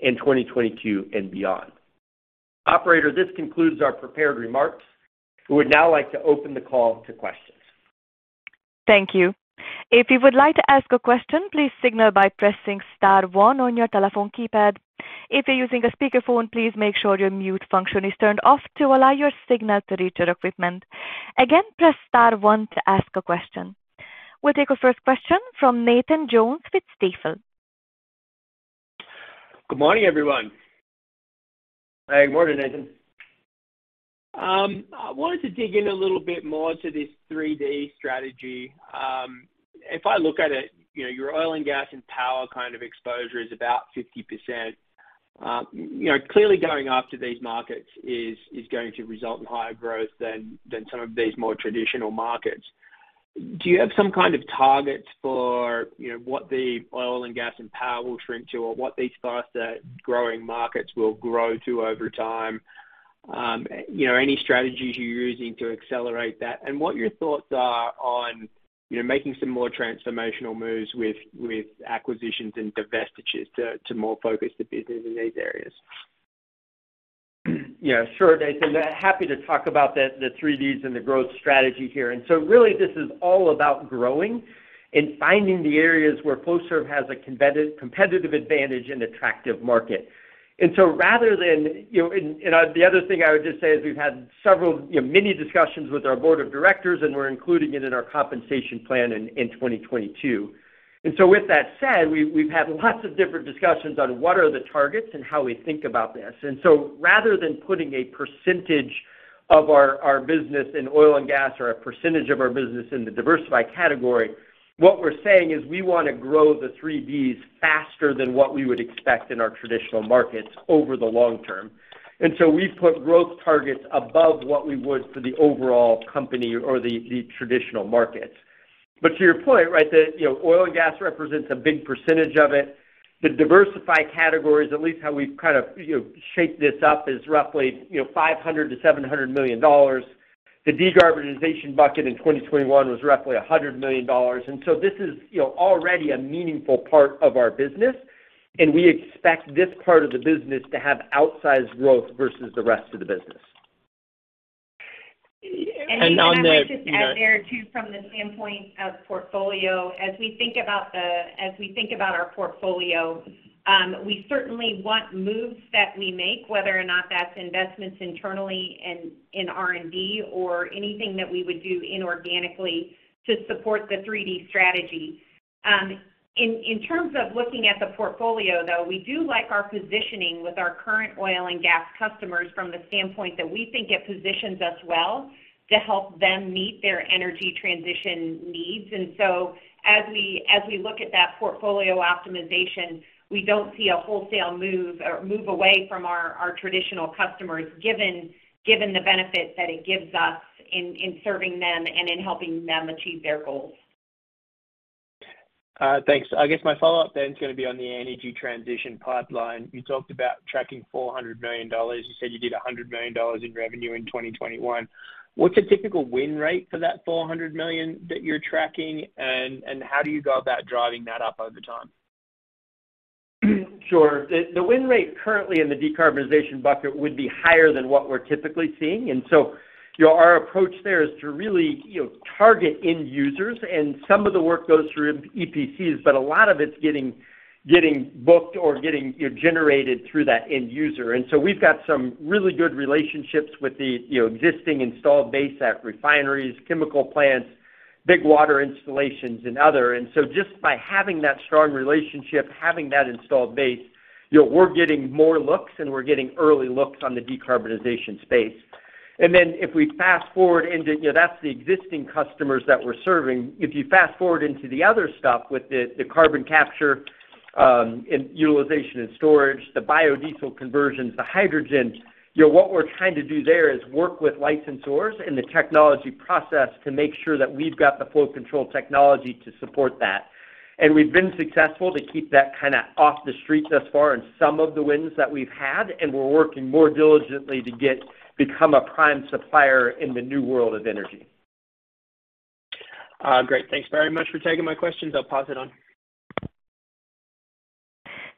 in 2022 and beyond. Operator, this concludes our prepared remarks. We would now like to open the call to questions. Thank you. If you would like to ask a question, please signal by pressing star one on your telephone keypad. If you're using a speakerphone, please make sure your mute function is turned off to allow your signal to reach our equipment. Again, press star one to ask a question. We'll take our first question from Nathan Jones with Stifel. Good morning, everyone. Good morning, Nathan. I wanted to dig in a little bit more to this 3D Strategy. If I look at it, you know, your oil and gas and power kind of exposure is about 50%. You know, clearly going after these markets is going to result in higher growth than some of these more traditional markets. Do you have some kind of targets for, you know, what the oil and gas and power will shrink to or what these faster growing markets will grow to over time? You know, any strategies you're using to accelerate that and what your thoughts are on, you know, making some more transformational moves with acquisitions and divestitures to more focus the business in these areas? Yeah, sure, Nathan. Happy to talk about the 3Ds and the growth strategy here. Really this is all about growing and finding the areas where Flowserve has a competitive advantage and attractive market. Rather than, you know, and the other thing I would just say is we've had several, you know, many discussions with our board of directors, and we're including it in our compensation plan in 2022. With that said, we've had lots of different discussions on what are the targets and how we think about this. Rather than putting a percentage of our business in oil and gas or a percentage of our business in the diversified category, what we're saying is we wanna grow the 3Ds faster than what we would expect in our traditional markets over the long term. We've put growth targets above what we would for the overall company or the traditional markets. To your point, right, that, you know, oil and gas represents a big percentage of it. The diversified categories, at least how we've kind of, you know, shaped this up, is roughly, you know, $500 - 700 million. The decarbonization bucket in 2021 was roughly $100 million. This is, you know, already a meaningful part of our business, and we expect this part of the business to have outsized growth versus the rest of the business. I would just add there too from the standpoint of portfolio, as we think about our portfolio, we certainly want moves that we make, whether or not that's investments internally in R&D or anything that we would do inorganically to support the 3D strategy. In terms of looking at the portfolio though, we do like our positioning with our current oil and gas customers from the standpoint that we think it positions us well to help them meet their energy transition needs. As we look at that portfolio optimization, we don't see a wholesale move or move away from our traditional customers, given the benefit that it gives us in serving them and in helping them achieve their goals. Thanks. I guess my follow-up then is gonna be on the energy transition pipeline. You talked about tracking $400 million. You said you did $100 million in revenue in 2021. What's a typical win rate for that $400 million that you're tracking, and how do you go about driving that up over time? Sure. The win rate currently in the decarbonization bucket would be higher than what we're typically seeing. You know, our approach there is to really, you know, target end users, and some of the work goes through EPCs, but a lot of it's getting booked or getting, you know, generated through that end user. We've got some really good relationships with the, you know, existing installed base at refineries, chemical plants, big water installations and other. Just by having that strong relationship, having that installed base, you know, we're getting more looks and we're getting early looks on the decarbonization space. If we fast-forward into, you know, that's the existing customers that we're serving. If you fast-forward into the other stuff with the carbon capture, and utilization and storage, the biodiesel conversions, the hydrogens, you know, what we're trying to do there is work with licensors in the technology process to make sure that we've got the flow control technology to support that. We've been successful to keep that kinda off the streets thus far in some of the wins that we've had, and we're working more diligently to become a prime supplier in the new world of energy. Great. Thanks very much for taking my questions. I'll pass it on.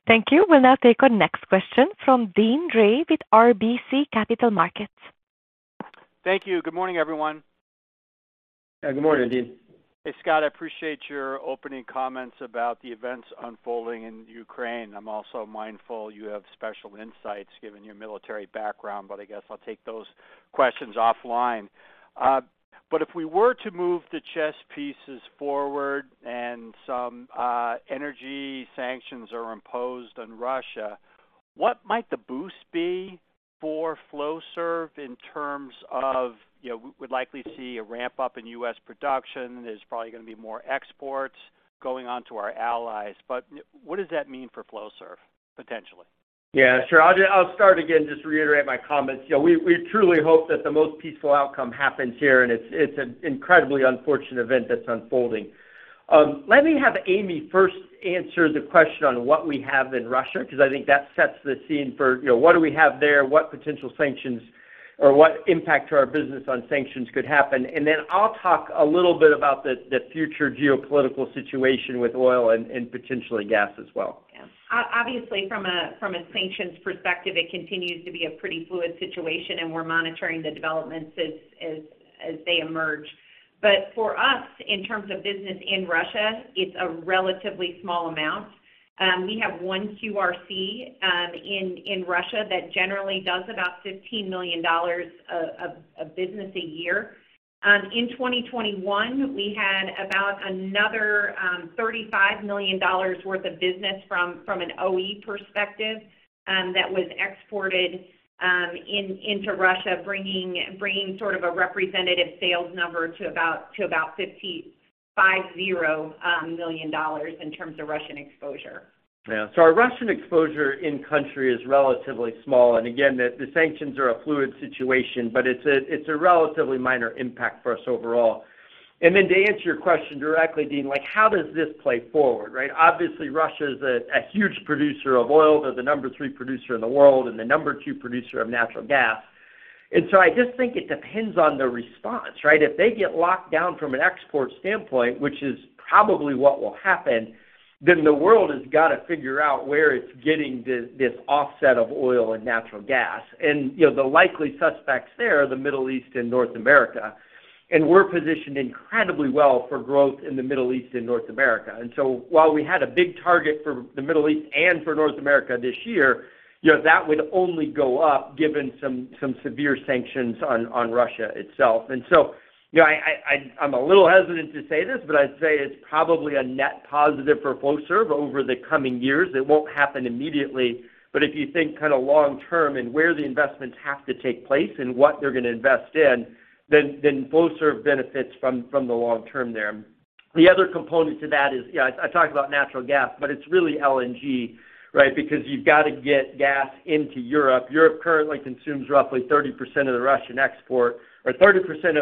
Thank you. We'll now take our next question from Deane Dray with RBC Capital Markets. Thank you. Good morning, everyone. Good morning, Deane. Hey, Scott, I appreciate your opening comments about the events unfolding in Ukraine. I'm also mindful you have special insights given your military background, but I guess I'll take those questions offline. But if we were to move the chess pieces forward and some energy sanctions are imposed on Russia, what might the boost be for Flowserve in terms of, you know, we'd likely see a ramp up in U.S. production. There's probably gonna be more exports going on to our allies. But what does that mean for Flowserve, potentially? Yeah, sure. I'll start again, just to reiterate my comments. You know, we truly hope that the most peaceful outcome happens here, and it's an incredibly unfortunate event that's unfolding. Let me have Amy first answer the question on what we have in Russia, because I think that sets the scene for, you know, what do we have there, what potential sanctions or what impact to our business on sanctions could happen. I'll talk a little bit about the future geopolitical situation with oil and potentially gas as well. Obviously, from a sanctions perspective, it continues to be a pretty fluid situation, and we're monitoring the developments as they emerge. For us, in terms of business in Russia, it's a relatively small amount. We have one QRC in Russia that generally does about $15 million of business a year. In 2021, we had about another $35 million worth of business from an OE perspective that was exported into Russia, bringing sort of a representative sales number to about $55 million in terms of Russian exposure. Yeah. Our Russian exposure in country is relatively small. Again, the sanctions are a fluid situation, but it's a relatively minor impact for us overall. Then to answer your question directly, Deane, like, how does this play forward, right? Obviously, Russia is a huge producer of oil. They're the number three producer in the world and the number two producer of natural gas. I just think it depends on the response, right? If they get locked down from an export standpoint, which is probably what will happen, then the world has got to figure out where it's getting this offset of oil and natural gas. You know, the likely suspects there are the Middle East and North America. We're positioned incredibly well for growth in the Middle East and North America. While we had a big target for the Middle East and for North America this year, you know, that would only go up given some severe sanctions on Russia itself. You know, I'm a little hesitant to say this, but I'd say it's probably a net positive for Flowserve over the coming years. It won't happen immediately. If you think kinda long term and where the investments have to take place and what they're gonna invest in, then Flowserve benefits from the long term there. The other component to that is, you know, I talk about natural gas, but it's really LNG, right? Because you've got to get gas into Europe. Europe currently consumes roughly 30% of the Russian export, or 30%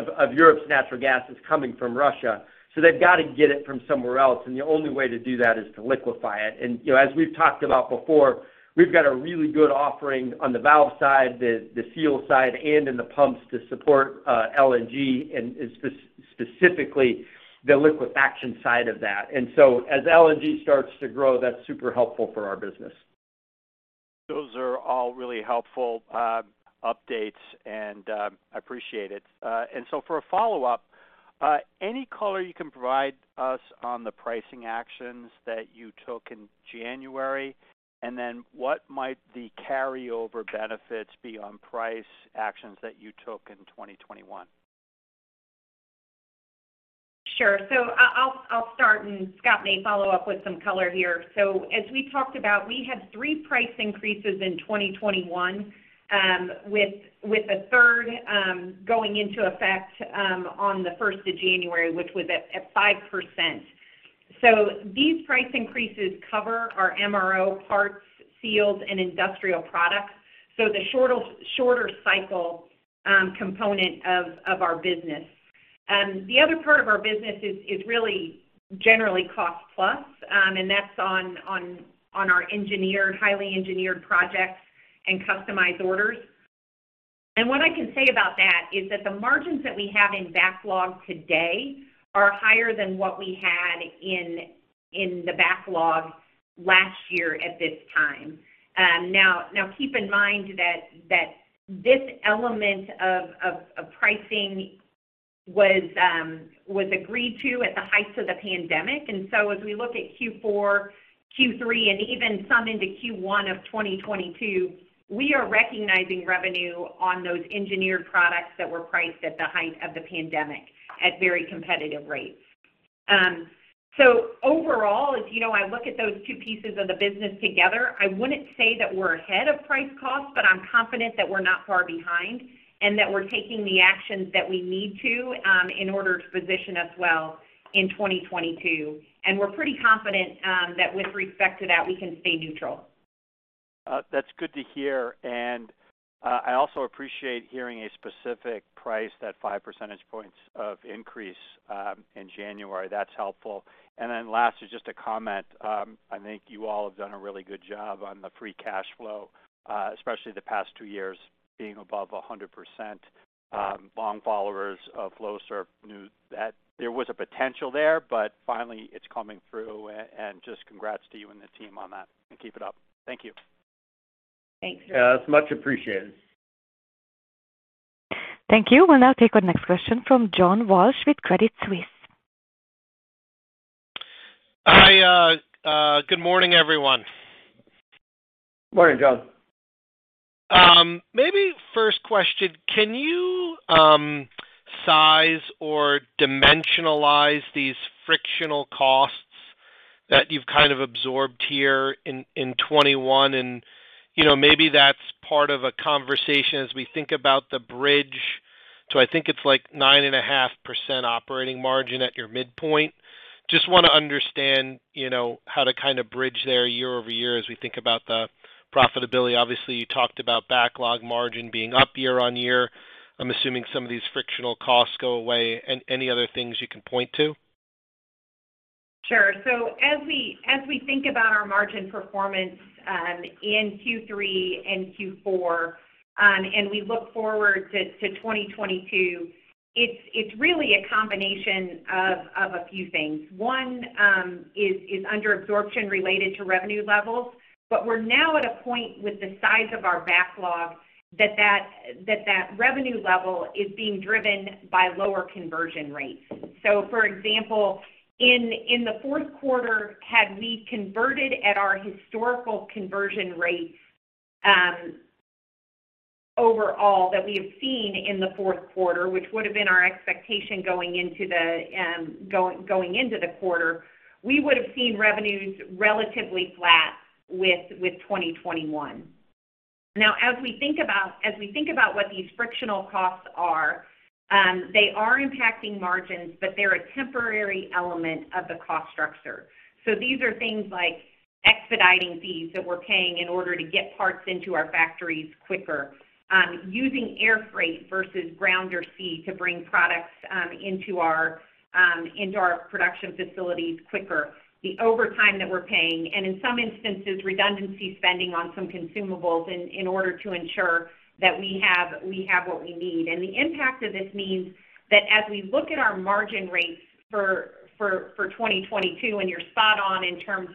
of Europe's natural gas is coming from Russia. They've got to get it from somewhere else, and the only way to do that is to liquefy it. You know, as we've talked about before, we've got a really good offering on the valve side, the seal side, and in the pumps to support LNG and specifically the liquefaction side of that. As LNG starts to grow, that's super helpful for our business. Those are all really helpful updates, and I appreciate it. For a follow-up, any color you can provide us on the pricing actions that you took in January, and then what might the carryover benefits be on price actions that you took in 2021? Sure. I'll start and Scott may follow up with some color here. As we talked about, we had three price increases in 2021, with the third going into effect on 1 January, which was at 5%. These price increases cover our MRO parts, seals, and industrial products, so the shorter cycle component of our business. The other part of our business is really generally cost plus, and that's on our engineered, highly engineered projects and customized orders. What I can say about that is that the margins that we have in backlog today are higher than what we had in the backlog last year at this time. Now keep in mind that this element of pricing was agreed to at the height of the pandemic. As we look at Q4, Q3, and even some into Q1 of 2022, we are recognizing revenue on those engineered products that were priced at the height of the pandemic at very competitive rates. So overall, as you know, I look at those two pieces of the business together. I wouldn't say that we're ahead of price cost, but I'm confident that we're not far behind, and that we're taking the actions that we need to in order to position us well in 2022. We're pretty confident that with respect to that, we can stay neutral. That's good to hear. I also appreciate hearing a specific price, that five percentage points of increase, in January. That's helpful. Lastly, just a comment. I think you all have done a really good job on the free cash flow, especially the past two years being above 100%. Long followers of Flowserve knew that there was a potential there, but finally it's coming through. Just congrats to you and the team on that, and keep it up. Thank you. Thanks. Yeah. That's much appreciated. Thank you. We'll now take our next question from John Walsh with Credit Suisse. Hi. Good morning, everyone. Morning, John. Maybe first question, can you size or dimensionalize these frictional costs that you've kind of absorbed here in 2021? You know, maybe that's part of a conversation as we think about the bridge to I think it's like 9.5% operating margin at your midpoint. Just wanna understand, you know, how to kind of bridge there year-over-year as we think about the profitability. Obviously, you talked about backlog margin being up year-over-year. I'm assuming some of these frictional costs go away. Any other things you can point to? Sure. As we think about our margin performance in Q3 and Q4 and we look forward to 2022, it's really a combination of a few things. One is under absorption related to revenue levels. We're now at a point with the size of our backlog that revenue level is being driven by lower conversion rates. For example, in the fourth quarter, had we converted at our historical conversion rates overall that we have seen in the fourth quarter, which would have been our expectation going into the quarter, we would have seen revenues relatively flat with 2021. Now as we think about what these frictional costs are, they are impacting margins, but they're a temporary element of the cost structure. These are things like expediting fees that we're paying in order to get parts into our factories quicker, using air freight versus ground or sea to bring products into our production facilities quicker, the overtime that we're paying, and in some instances, redundancy spending on some consumables in order to ensure that we have what we need. The impact of this means that as we look at our margin rates for 2022, and you're spot on in terms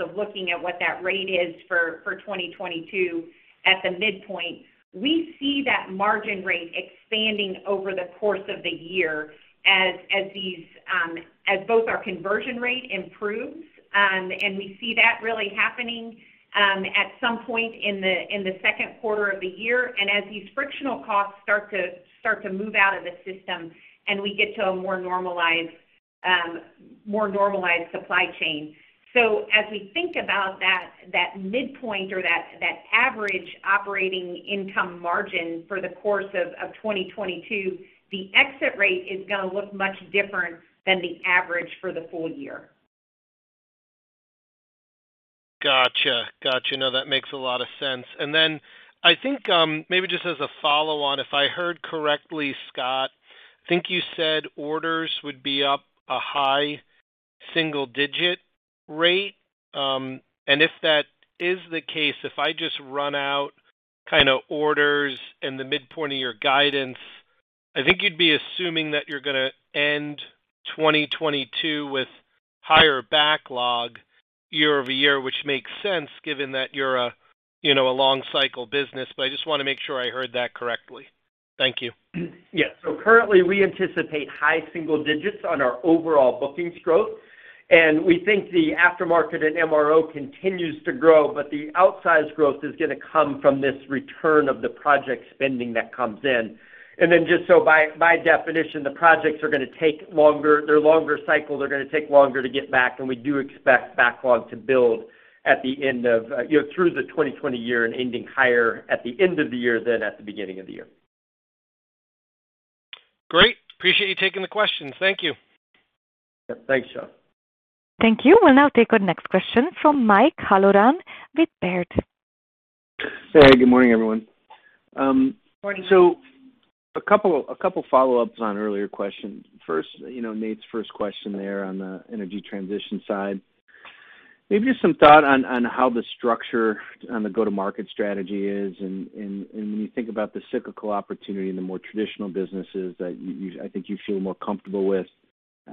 of looking at what that rate is for 2022 at the midpoint, we see that margin rate expanding over the course of the year as both our conversion rate improves, and we see that really happening at some point in the second quarter of the year. As these frictional costs start to move out of the system, and we get to a more normalized supply chain. As we think about that midpoint or that average operating income margin for the course of 2022, the exit rate is gonna look much different than the average for the full year. Gotcha. No, that makes a lot of sense. I think, maybe just as a follow on, if I heard correctly, Scott, I think you said orders would be up a high single digit rate. If that is the case, if I just run out kinda orders in the midpoint of your guidance, I think you'd be assuming that you're gonna end 2022 with higher backlog year-over-year, which makes sense given that you're a, you know, a long cycle business. I just wanna make sure I heard that correctly. Thank you. Yeah. Currently, we anticipate high single digits on our overall bookings growth, and we think the aftermarket and MRO continues to grow, but the outsized growth is gonna come from this return of the project spending that comes in. Just so by definition, the projects are gonna take longer. They're longer cycles, they're gonna take longer to get back, and we do expect backlog to build at the end of, you know, through the 2020 year and ending higher at the end of the year than at the beginning of the year. Great. I appreciate you taking the questions. Thank you. Yeah. Thanks, John. Thank you. We'll now take our next question from Mike Halloran with Baird. Hey, good morning, everyone. Morning. A couple follow-ups on earlier questions. First, you know, Nate's first question there on the energy transition side. Maybe just some thought on how the structure on the go-to-market strategy is and when you think about the cyclical opportunity in the more traditional businesses that you I think you feel more comfortable with,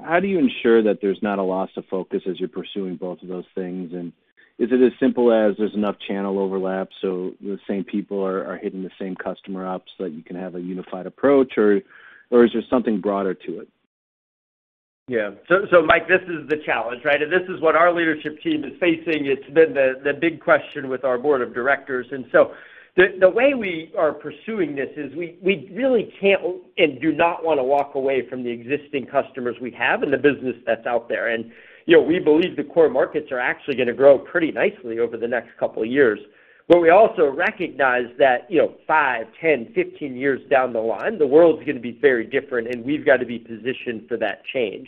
how do you ensure that there's not a loss of focus as you're pursuing both of those things? Is it as simple as there's enough channel overlap, so the same people are hitting the same customer ups that you can have a unified approach, or is there something broader to it? Yeah. Mike, this is the challenge, right? This is what our leadership team is facing. It's been the big question with our board of directors. The way we are pursuing this is we really can't and do not wanna walk away from the existing customers we have and the business that's out there. You know, we believe the core markets are actually gonna grow pretty nicely over the next couple of years. We also recognize that, you know, five, 10, 15 years down the line, the world's gonna be very different, and we've got to be positioned for that change.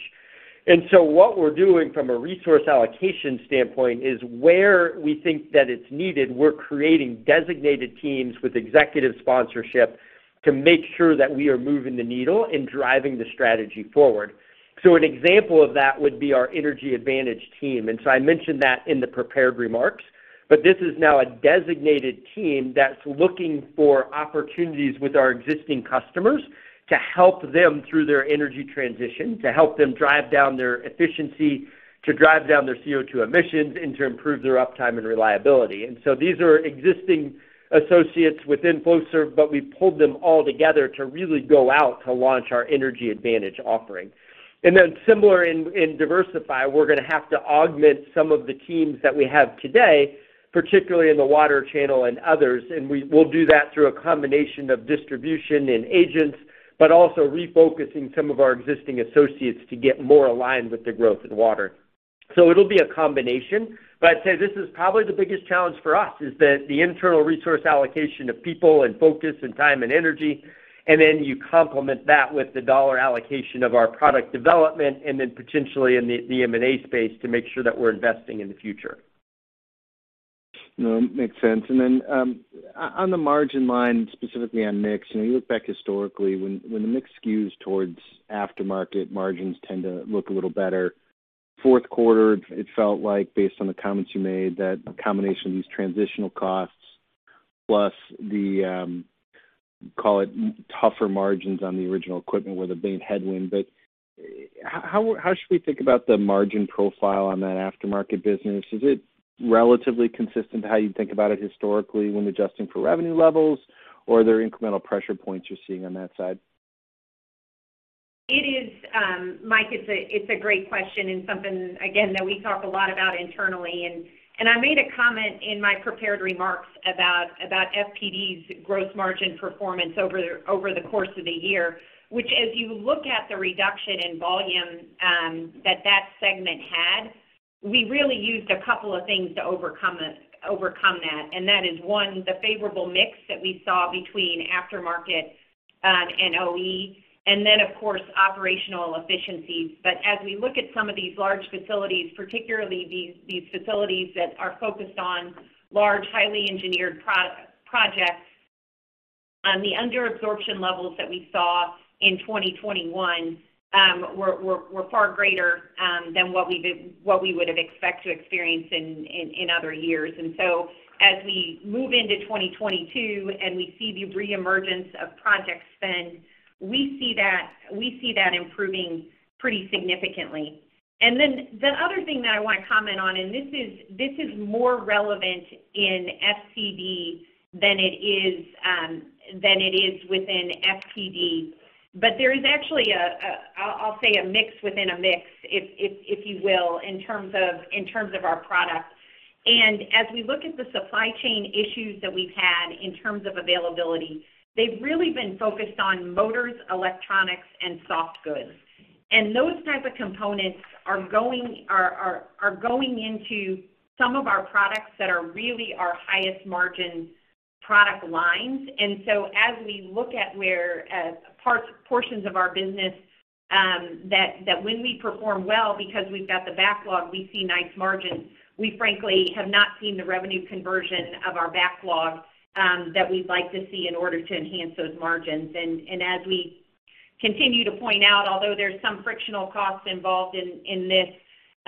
What we're doing from a resource allocation standpoint is where we think that it's needed, we're creating designated teams with executive sponsorship to make sure that we are moving the needle and driving the strategy forward. An example of that would be our Energy Advantage team. I mentioned that in the prepared remarks, but this is now a designated team that's looking for opportunities with our existing customers to help them through their energy transition, to help them drive down their efficiency, to drive down their CO2 emissions, and to improve their uptime and reliability. These are existing associates within Flowserve, but we pulled them all together to really go out to launch our Energy Advantage offering. Then similar in diversify, we're gonna have to augment some of the teams that we have today, particularly in the water channel and others. We'll do that through a combination of distribution and agents, but also refocusing some of our existing associates to get more aligned with the growth in water. It'll be a combination, but I'd say this is probably the biggest challenge for us, is the internal resource allocation of people and focus and time and energy. You complement that with the dollar allocation of our product development and then potentially in the M&A space to make sure that we're investing in the future. No, makes sense. On the margin line, specifically on mix, you know, you look back historically when the mix skews towards aftermarket, margins tend to look a little better. Fourth quarter, it felt like based on the comments you made, that a combination of these transitional costs plus the call it tougher margins on the original equipment were the main headwind. How should we think about the margin profile on that aftermarket business? Is it relatively consistent to how you think about it historically when adjusting for revenue levels, or are there incremental pressure points you're seeing on that side? It is, Mike, it's a great question and something again that we talk a lot about internally. I made a comment in my prepared remarks about FPD's gross margin performance over the course of the year, which as you look at the reduction in volume that segment had, we really used a couple of things to overcome that. That is one, the favorable mix that we saw between aftermarket and OE, and then of course, operational efficiencies. As we look at some of these large facilities, particularly these facilities that are focused on large, highly engineered projects, the under absorption levels that we saw in 2021 were far greater than what we would've expected to experience in other years. As we move into 2022, and we see the reemergence of project spend, we see that improving pretty significantly. Then the other thing that I wanna comment on, and this is more relevant in FCD than it is within FPD. There is actually a mix within a mix, if you will, in terms of our products. As we look at the supply chain issues that we've had in terms of availability, they've really been focused on motors, electronics, and soft goods. Those types of components are going into some of our products that are really our highest margin product lines. As we look at where portions of our business that when we perform well, because we've got the backlog, we see nice margins. We frankly have not seen the revenue conversion of our backlog that we'd like to see in order to enhance those margins. As we continue to point out, although there's some frictional costs involved in this,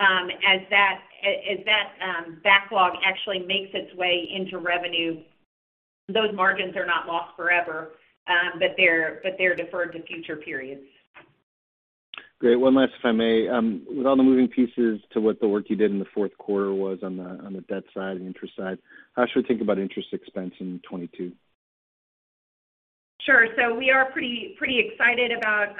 as that backlog actually makes its way into revenue, those margins are not lost forever, but they're deferred to future periods. Great. One last, if I may. With all the moving pieces to what the work you did in the fourth quarter was on the debt side and interest side, how should we think about interest expense in 2022? Sure. We are pretty excited about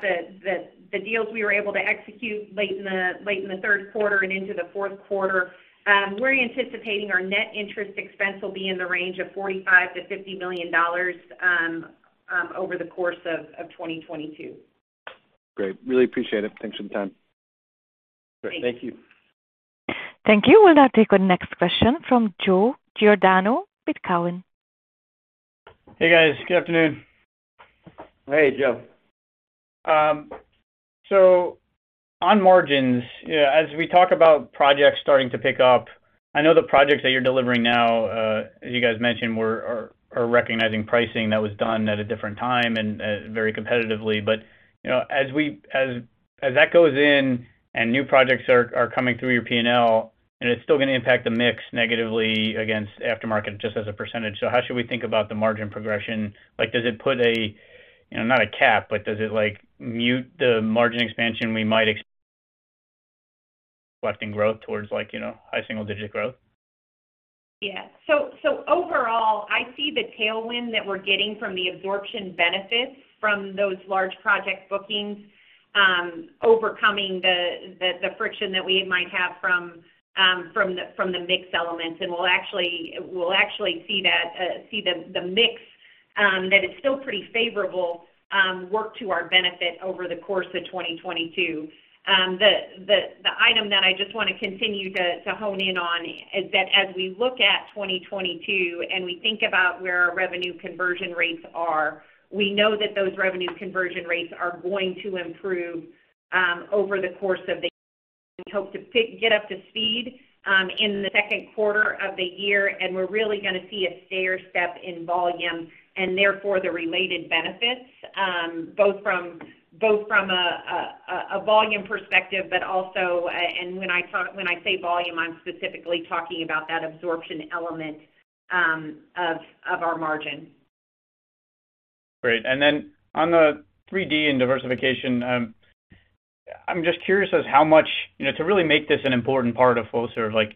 the deals we were able to execute late in the third quarter and into the fourth quarter. We're anticipating our net interest expense will be in the range of $45 -50 million over the course of 2022. Great. Really appreciate it. Thanks for the time. Sure. Thank you. Thanks. Thank you. We'll now take our next question from Joe Giordano with Cowen. Hey, guys. Good afternoon. Hey, Joe. On margins, you know, as we talk about projects starting to pick up, I know the projects that you're delivering now, as you guys mentioned, are recognizing pricing that was done at a different time and very competitively. You know, as that goes in and new projects are coming through your P&L, and it's still gonna impact the mix negatively against aftermarket just as a percentage. How should we think about the margin progression? Like, does it put a, you know, not a cap, but does it like mute the margin expansion we might expecting growth towards like, you know, high single-digit growth? Yeah. Overall, I see the tailwind that we're getting from the absorption benefits from those large project bookings, overcoming the friction that we might have from the mix elements. We'll actually see that, see the mix that is still pretty favorable, work to our benefit over the course of 2022. The item that I just wanna continue to hone in on is that as we look at 2022, and we think about where our revenue conversion rates are, we know that those revenue conversion rates are going to improve over the course of the year. We hope to get up to speed in the second quarter of the year, and we're really gonna see a stair step in volume, and therefore the related benefits, both from a volume perspective, but also. When I say volume, I'm specifically talking about that absorption element of our margin. Great. On the 3D and diversification, I'm just curious about how much. You know, to really make this an important part of Flowserve, like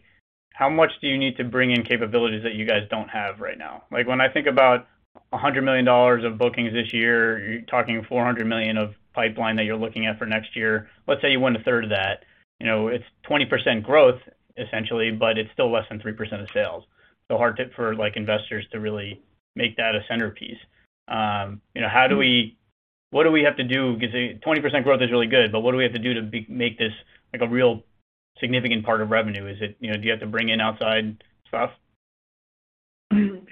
how much do you need to bring in capabilities that you guys don't have right now? Like when I think about $100 million of bookings this year, you're talking $400 million of pipeline that you're looking at for next year. Let's say you won a third of that. You know, it's 20% growth essentially, but it's still less than 3% of sales. Hard for like investors to really make that a centerpiece. You know, what do we have to do? 'Cause 20% growth is really good, but what do we have to do to make this like a real significant part of revenue? Is it, you know, do you have to bring in outside stuff?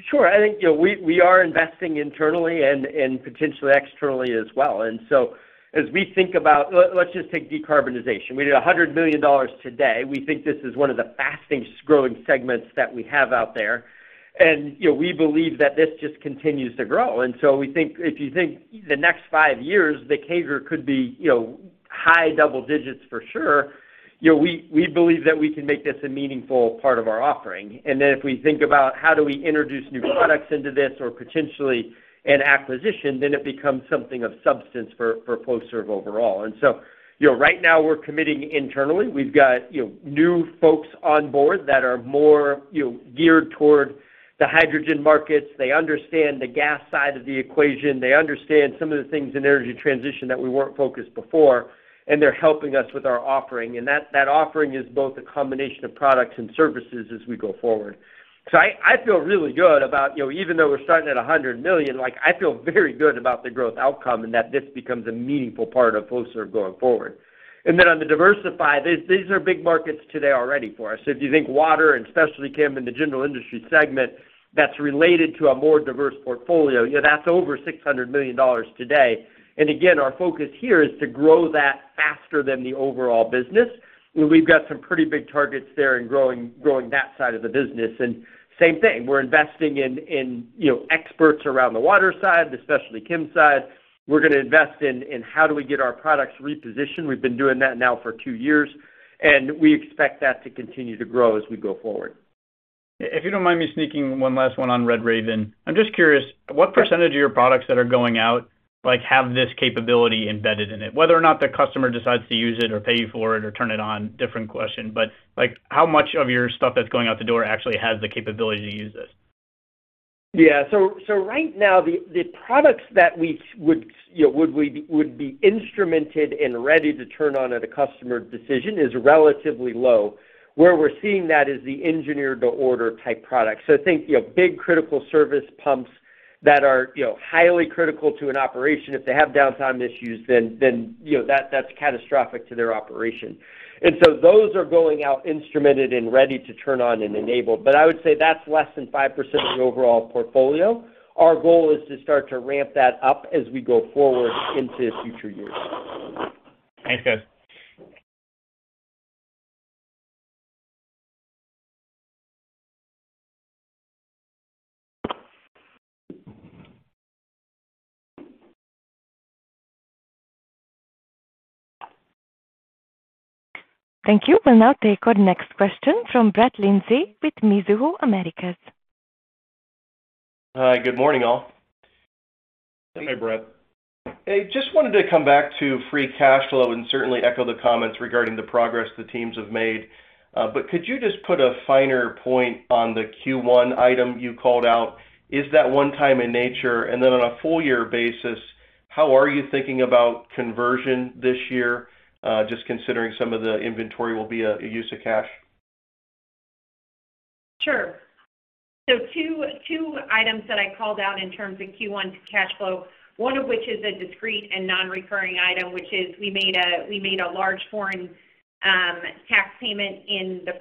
Sure. I think, you know, we are investing internally and potentially externally as well. As we think about... Let's just take decarbonization. We did $100 million today. We think this is one of the fastest growing segments that we have out there. You know, we believe that this just continues to grow. We think if you think the next five years, the CAGR could be, you know, high double digits for sure. You know, we believe that we can make this a meaningful part of our offering. If we think about how do we introduce new products into this or potentially an acquisition, then it becomes something of substance for Flowserve overall. You know, right now we're committing internally. We've got, you know, new folks on board that are more, you know, geared toward the hydrogen markets. They understand the gas side of the equation. They understand some of the things in energy transition that we weren't focused on before, and they're helping us with our offering. That offering is both a combination of products and services as we go forward. I feel really good about, you know, even though we're starting at $100 million, like, I feel very good about the growth outcome and that this becomes a meaningful part of Flowserve going forward. On the diversify, these are big markets today already for us. If you think water and specialty chem and the general industry segment that's related to a more diverse portfolio, you know, that's over $600 million today. Again, our focus here is to grow that faster than the overall business, where we've got some pretty big targets there in growing that side of the business. Same thing, we're investing in you know, experts around the water side, the specialty chem side. We're gonna invest in how do we get our products repositioned. We've been doing that now for two years, and we expect that to continue to grow as we go forward. If you don't mind me sneaking one last one on RedRaven. I'm just curious, what percentage of your products that are going out, like have this capability embedded in it? Whether or not the customer decides to use it or pay you for it or turn it on, different question, but like how much of your stuff that's going out the door actually has the capability to use this? Right now the products that we would, you know, would be instrumented and ready to turn on at a customer decision is relatively low. Where we're seeing that is the engineer-to-order type product. Think, you know, big critical service pumps that are, you know, highly critical to an operation. If they have downtime issues, then you know, that's catastrophic to their operation. Those are going out instrumented and ready to turn on and enable. I would say that's less than 5% of the overall portfolio. Our goal is to start to ramp that up as we go forward into future years. Thanks, guys. Thank you. We'll now take our next question from Brett Linzey with Mizuho Americas. Hi. Good morning, all. Hey, Brett. I just wanted to come back to free cash flow and certainly echo the comments regarding the progress the teams have made. Could you just put a finer point on the Q1 item you called out? Is that one-time in nature? And then on a full year basis, how are you thinking about conversion this year, just considering some of the inventory will be a use of cash? Sure. Two items that I called out in terms of Q1 cash flow, one of which is a discrete and non-recurring item, which is we made a large foreign tax payment in the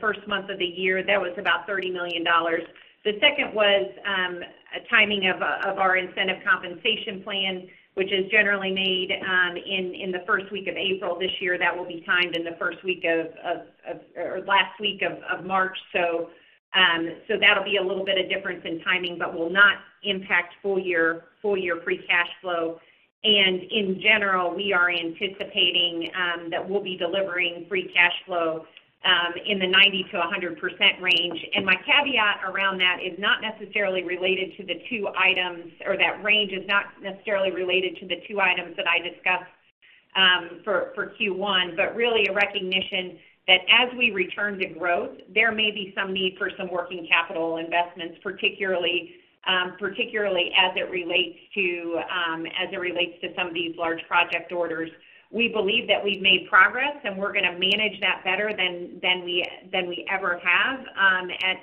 first month of the year. That was about $30 million. The second was a timing of our incentive compensation plan, which is generally made in the first week of April this year. That will be timed in the first week or last week of March. That'll be a little bit of difference in timing but will not impact full year free cash flow. In general, we are anticipating that we'll be delivering free cash flow in the 90%-100% range. My caveat around that is not necessarily related to the two items, or that range is not necessarily related to the two items that I discussed for Q1, but really a recognition that as we return to growth, there may be some need for some working capital investments, particularly as it relates to some of these large project orders. We believe that we've made progress, and we're gonna manage that better than we ever have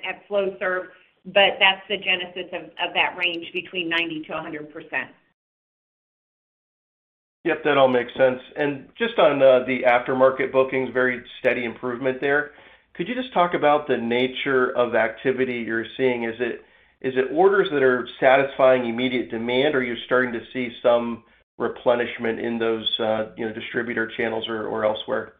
at Flowserve, but that's the genesis of that range between 90%-100%. Yep, that all makes sense. Just on the aftermarket bookings, very steady improvement there. Could you just talk about the nature of activity you're seeing? Is it orders that are satisfying immediate demand, or are you starting to see some replenishment in those distributor channels or elsewhere?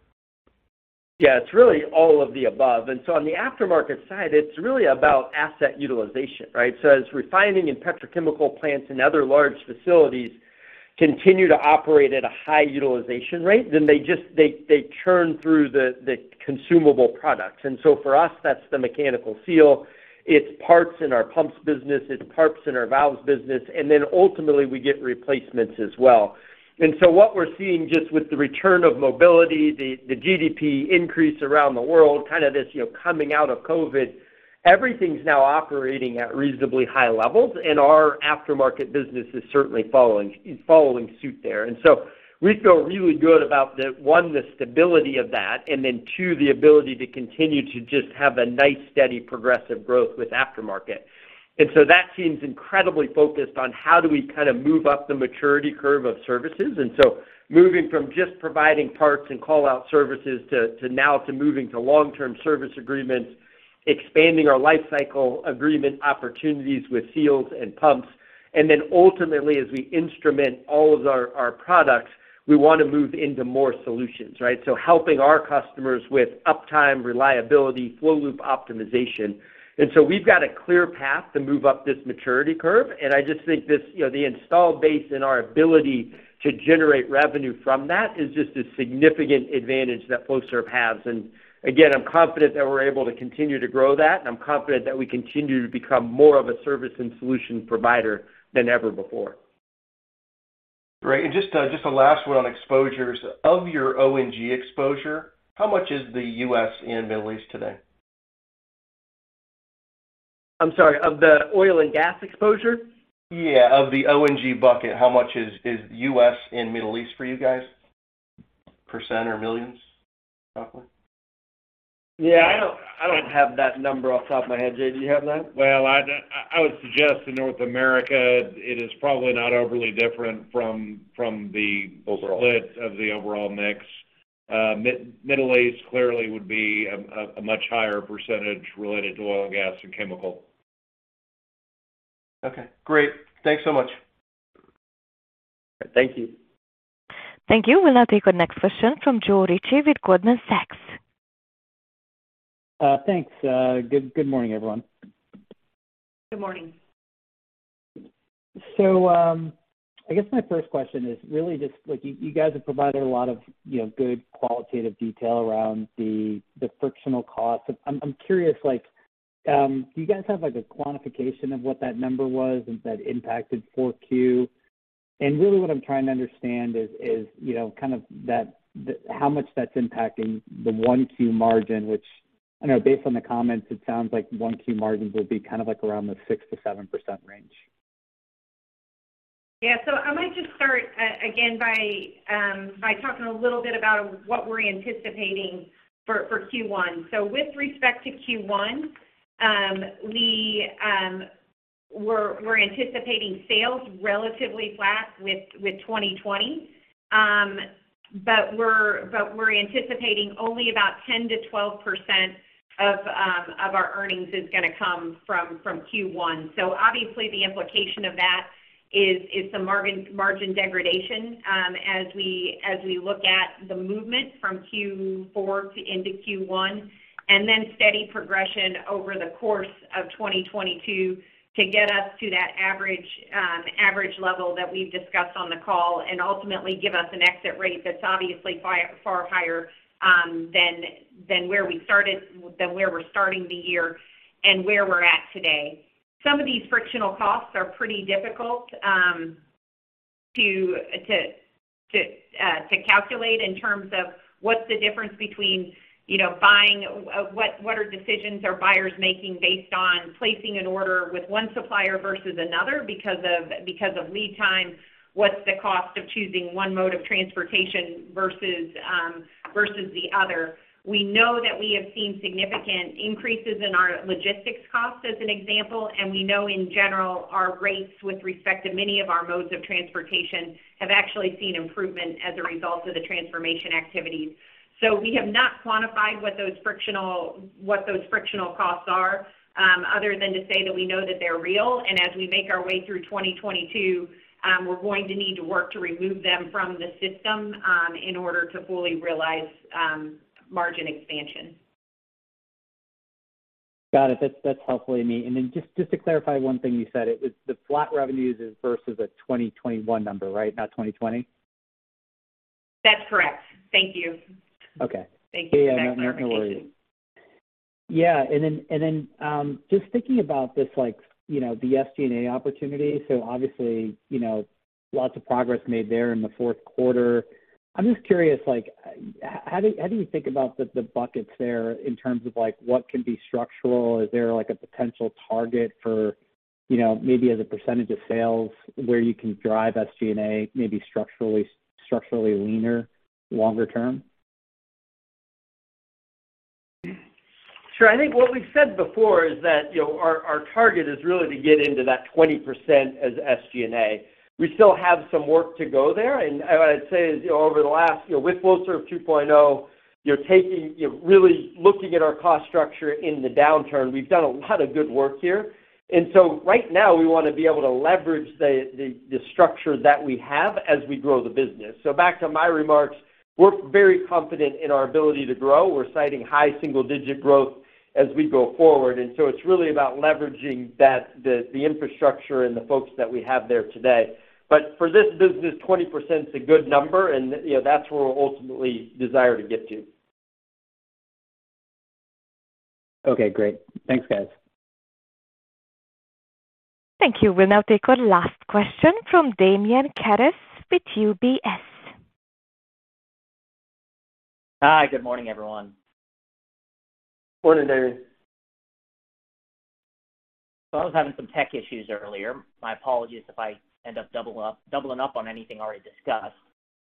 Yeah, it's really all of the above. On the aftermarket side, it's really about asset utilization, right? As refining and petrochemical plants and other large facilities continue to operate at a high utilization rate, then they churn through the consumable products. For us, that's the mechanical seal. It's parts in our pumps business. It's parts in our valves business. Then ultimately, we get replacements as well. What we're seeing just with the return of mobility, the GDP increase around the world, kind of this, you know, coming out of COVID, everything's now operating at reasonably high levels, and our aftermarket business is certainly following suit there. We feel really good about the, one, the stability of that, and then two, the ability to continue to just have a nice, steady progressive growth with aftermarket. That team's incredibly focused on how do we kind of move up the maturity curve of services. Moving from just providing parts and call-out services to now moving to long-term service agreements, expanding our lifecycle agreement opportunities with seals and pumps. Ultimately, as we instrument all of our products, we wanna move into more solutions, right? Helping our customers with uptime, reliability, flow loop optimization. We've got a clear path to move up this maturity curve. I just think this, you know, the install base and our ability to generate revenue from that is just a significant advantage that Flowserve has. Again, I'm confident that we're able to continue to grow that. I'm confident that we continue to become more of a service and solution provider than ever before. Great. Just a last one on exposures. Of your O&G exposure, how much is the U.S. and Middle East today? I'm sorry, of the oil and gas exposure? Yeah, of the O&G bucket, how much is U.S. and Middle East for you guys? % or $ millions, roughly. Yeah. I don't have that number off the top of my head. Jay, do you have that? Well, I would suggest in North America it is probably not overly different from the- Overall... split of the overall mix. Middle East clearly would be a much higher percentage related to oil and gas and chemical. Okay, great. Thanks so much. Thank you. Thank you. We'll now take our next question from Joe Ritchie with Goldman Sachs. Thanks. Good morning, everyone. Good morning. I guess my first question is really just like you guys have provided a lot of, you know, good qualitative detail around the frictional costs. I'm curious, like, do you guys have like a quantification of what that number was since that impacted 4Q? And really what I'm trying to understand is, you know, kind of that how much that's impacting the 1Q margin, which I know based on the comments, it sounds like 1Q margins will be kind of like around the 6%-7% range. Yeah. I might just start again by talking a little bit about what we're anticipating for Q1. With respect to Q1, we're anticipating sales relatively flat with 2020. We're anticipating only about 10%-12% of our earnings is gonna come from Q1. Obviously the implication of that is some margin degradation as we look at the movement from Q4 to into Q1, and then steady progression over the course of 2022 to get us to that average level that we've discussed on the call, and ultimately give us an exit rate that's obviously far higher than where we started, than where we're starting the year and where we're at today. Some of these frictional costs are pretty difficult to calculate in terms of what's the difference between, you know, buying. What decisions are buyers making based on placing an order with one supplier versus another because of lead time? What's the cost of choosing one mode of transportation versus the other? We know that we have seen significant increases in our logistics costs, as an example. We know in general, our rates with respect to many of our modes of transportation have actually seen improvement as a result of the transformation activities. We have not quantified what those frictional costs are other than to say that we know that they're real. As we make our way through 2022, we're going to need to work to remove them from the system in order to fully realize margin expansion. Got it. That's helpful, Amy. Just to clarify one thing you said. It was the flat revenues is versus a 2021 number, right? Not 2020? That's correct. Thank you. Okay. Thank you for that clarification. Yeah. Just thinking about this like, you know, the SG&A opportunity. Obviously, you know, lots of progress made there in the fourth quarter. I'm just curious, like how do you think about the buckets there in terms of like what can be structural? Is there like a potential target for, you know, maybe as a percentage of sales where you can drive SG&A maybe structurally leaner longer term? Sure. I think what we've said before is that, you know, our target is really to get into that 20% as SG&A. We still have some work to go there, and I'd say, you know, over the last, you know, with Flowserve 2.0, you're really looking at our cost structure in the downturn. We've done a lot of good work here. Right now, we wanna be able to leverage the structure that we have as we grow the business. Back to my remarks, we're very confident in our ability to grow. We're citing high single-digit growth as we go forward, and it's really about leveraging the infrastructure and the folks that we have there today. But for this business, 20%'s a good number and, you know, that's where we ultimately desire to get to. Okay, great. Thanks, guys. Thank you. We'll now take our last question from Damian Karas with UBS. Hi. Good morning, everyone. Morning, Damian. I was having some tech issues earlier. My apologies if I end up doubling up on anything already discussed.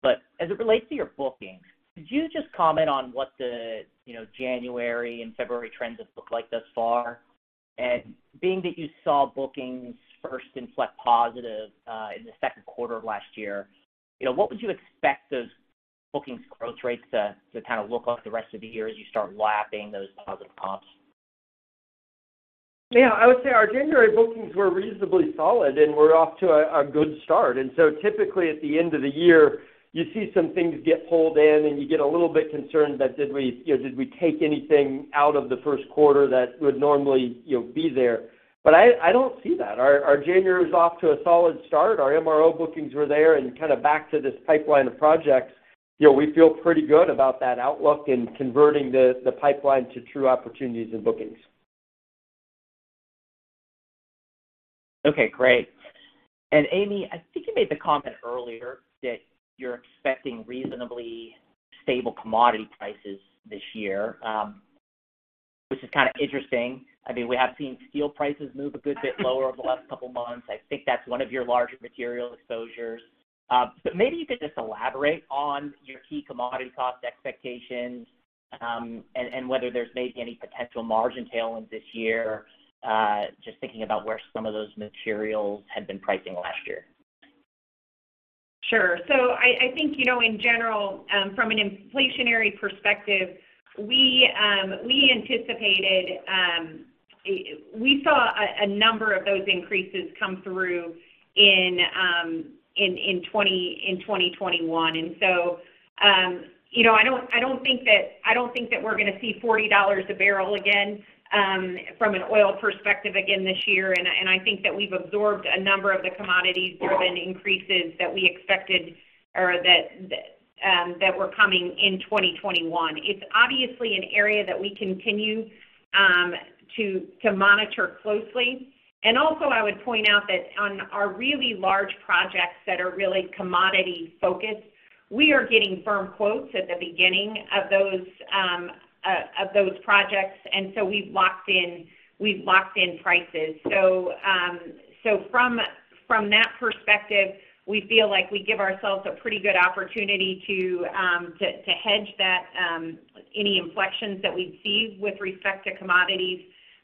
As it relates to your bookings, could you just comment on what, you know, January and February trends have looked like thus far? Being that you saw bookings first inflect positive in the second quarter of last year, you know, what would you expect those bookings growth rates to kind of look like the rest of the year as you start lapping those positive comps? Yeah. I would say our January bookings were reasonably solid, and we're off to a good start. Typically at the end of the year, you see some things get pulled in, and you get a little bit concerned that did we, you know, take anything out of the first quarter that would normally, you know, be there. I don't see that. Our January was off to a solid start. Our MRO bookings were there and kind of back to this pipeline of projects. You know, we feel pretty good about that outlook and converting the pipeline to true opportunities and bookings. Okay, great. Amy, I think you made the comment earlier that you're expecting reasonably stable commodity prices this year, which is kind of interesting. I mean, we have seen steel prices move a good bit lower over the last couple months. I think that's one of your larger material exposures. But maybe you could just elaborate on your key commodity cost expectations, and whether there's maybe any potential margin tailwinds this year, just thinking about where some of those materials had been pricing last year. Sure. I think, you know, in general, from an inflationary perspective, we anticipated we saw a number of those increases come through in 2021. You know, I don't think that we're gonna see $40 a barrel again from an oil perspective again this year, and I think that we've absorbed a number of the commodities-driven increases that we expected or that were coming in 2021. It's obviously an area that we continue to monitor closely. I would point out that on our really large projects that are really commodity-focused, we are getting firm quotes at the beginning of those projects. We've locked in prices. From that perspective, we feel like we give ourselves a pretty good opportunity to hedge against any inflections that we'd see with respect to commodities,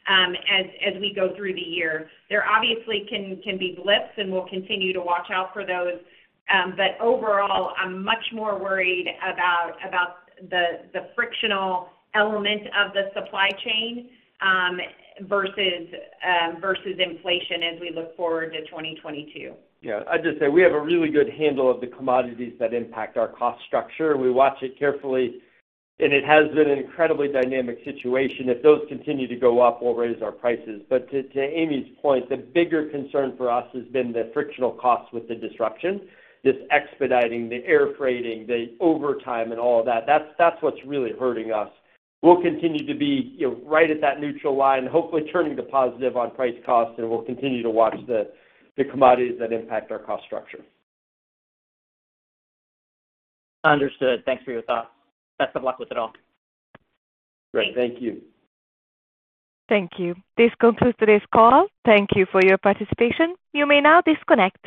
as we go through the year. There obviously can be blips, and we'll continue to watch out for those. Overall, I'm much more worried about the frictional element of the supply chain versus inflation as we look forward to 2022. Yeah. I'd just say we have a really good handle of the commodities that impact our cost structure. We watch it carefully, and it has been an incredibly dynamic situation. If those continue to go up, we'll raise our prices. To Amy's point, the bigger concern for us has been the frictional costs with the disruption, this expediting, the air freighting, the overtime and all of that. That's what's really hurting us. We'll continue to be, you know, right at that neutral line, hopefully turning to positive on price cost, and we'll continue to watch the commodities that impact our cost structure. Understood. Thanks for your thoughts. Best of luck with it all. Great. Thank you. Thank you. This concludes today's call. Thank you for your participation. You may now disconnect.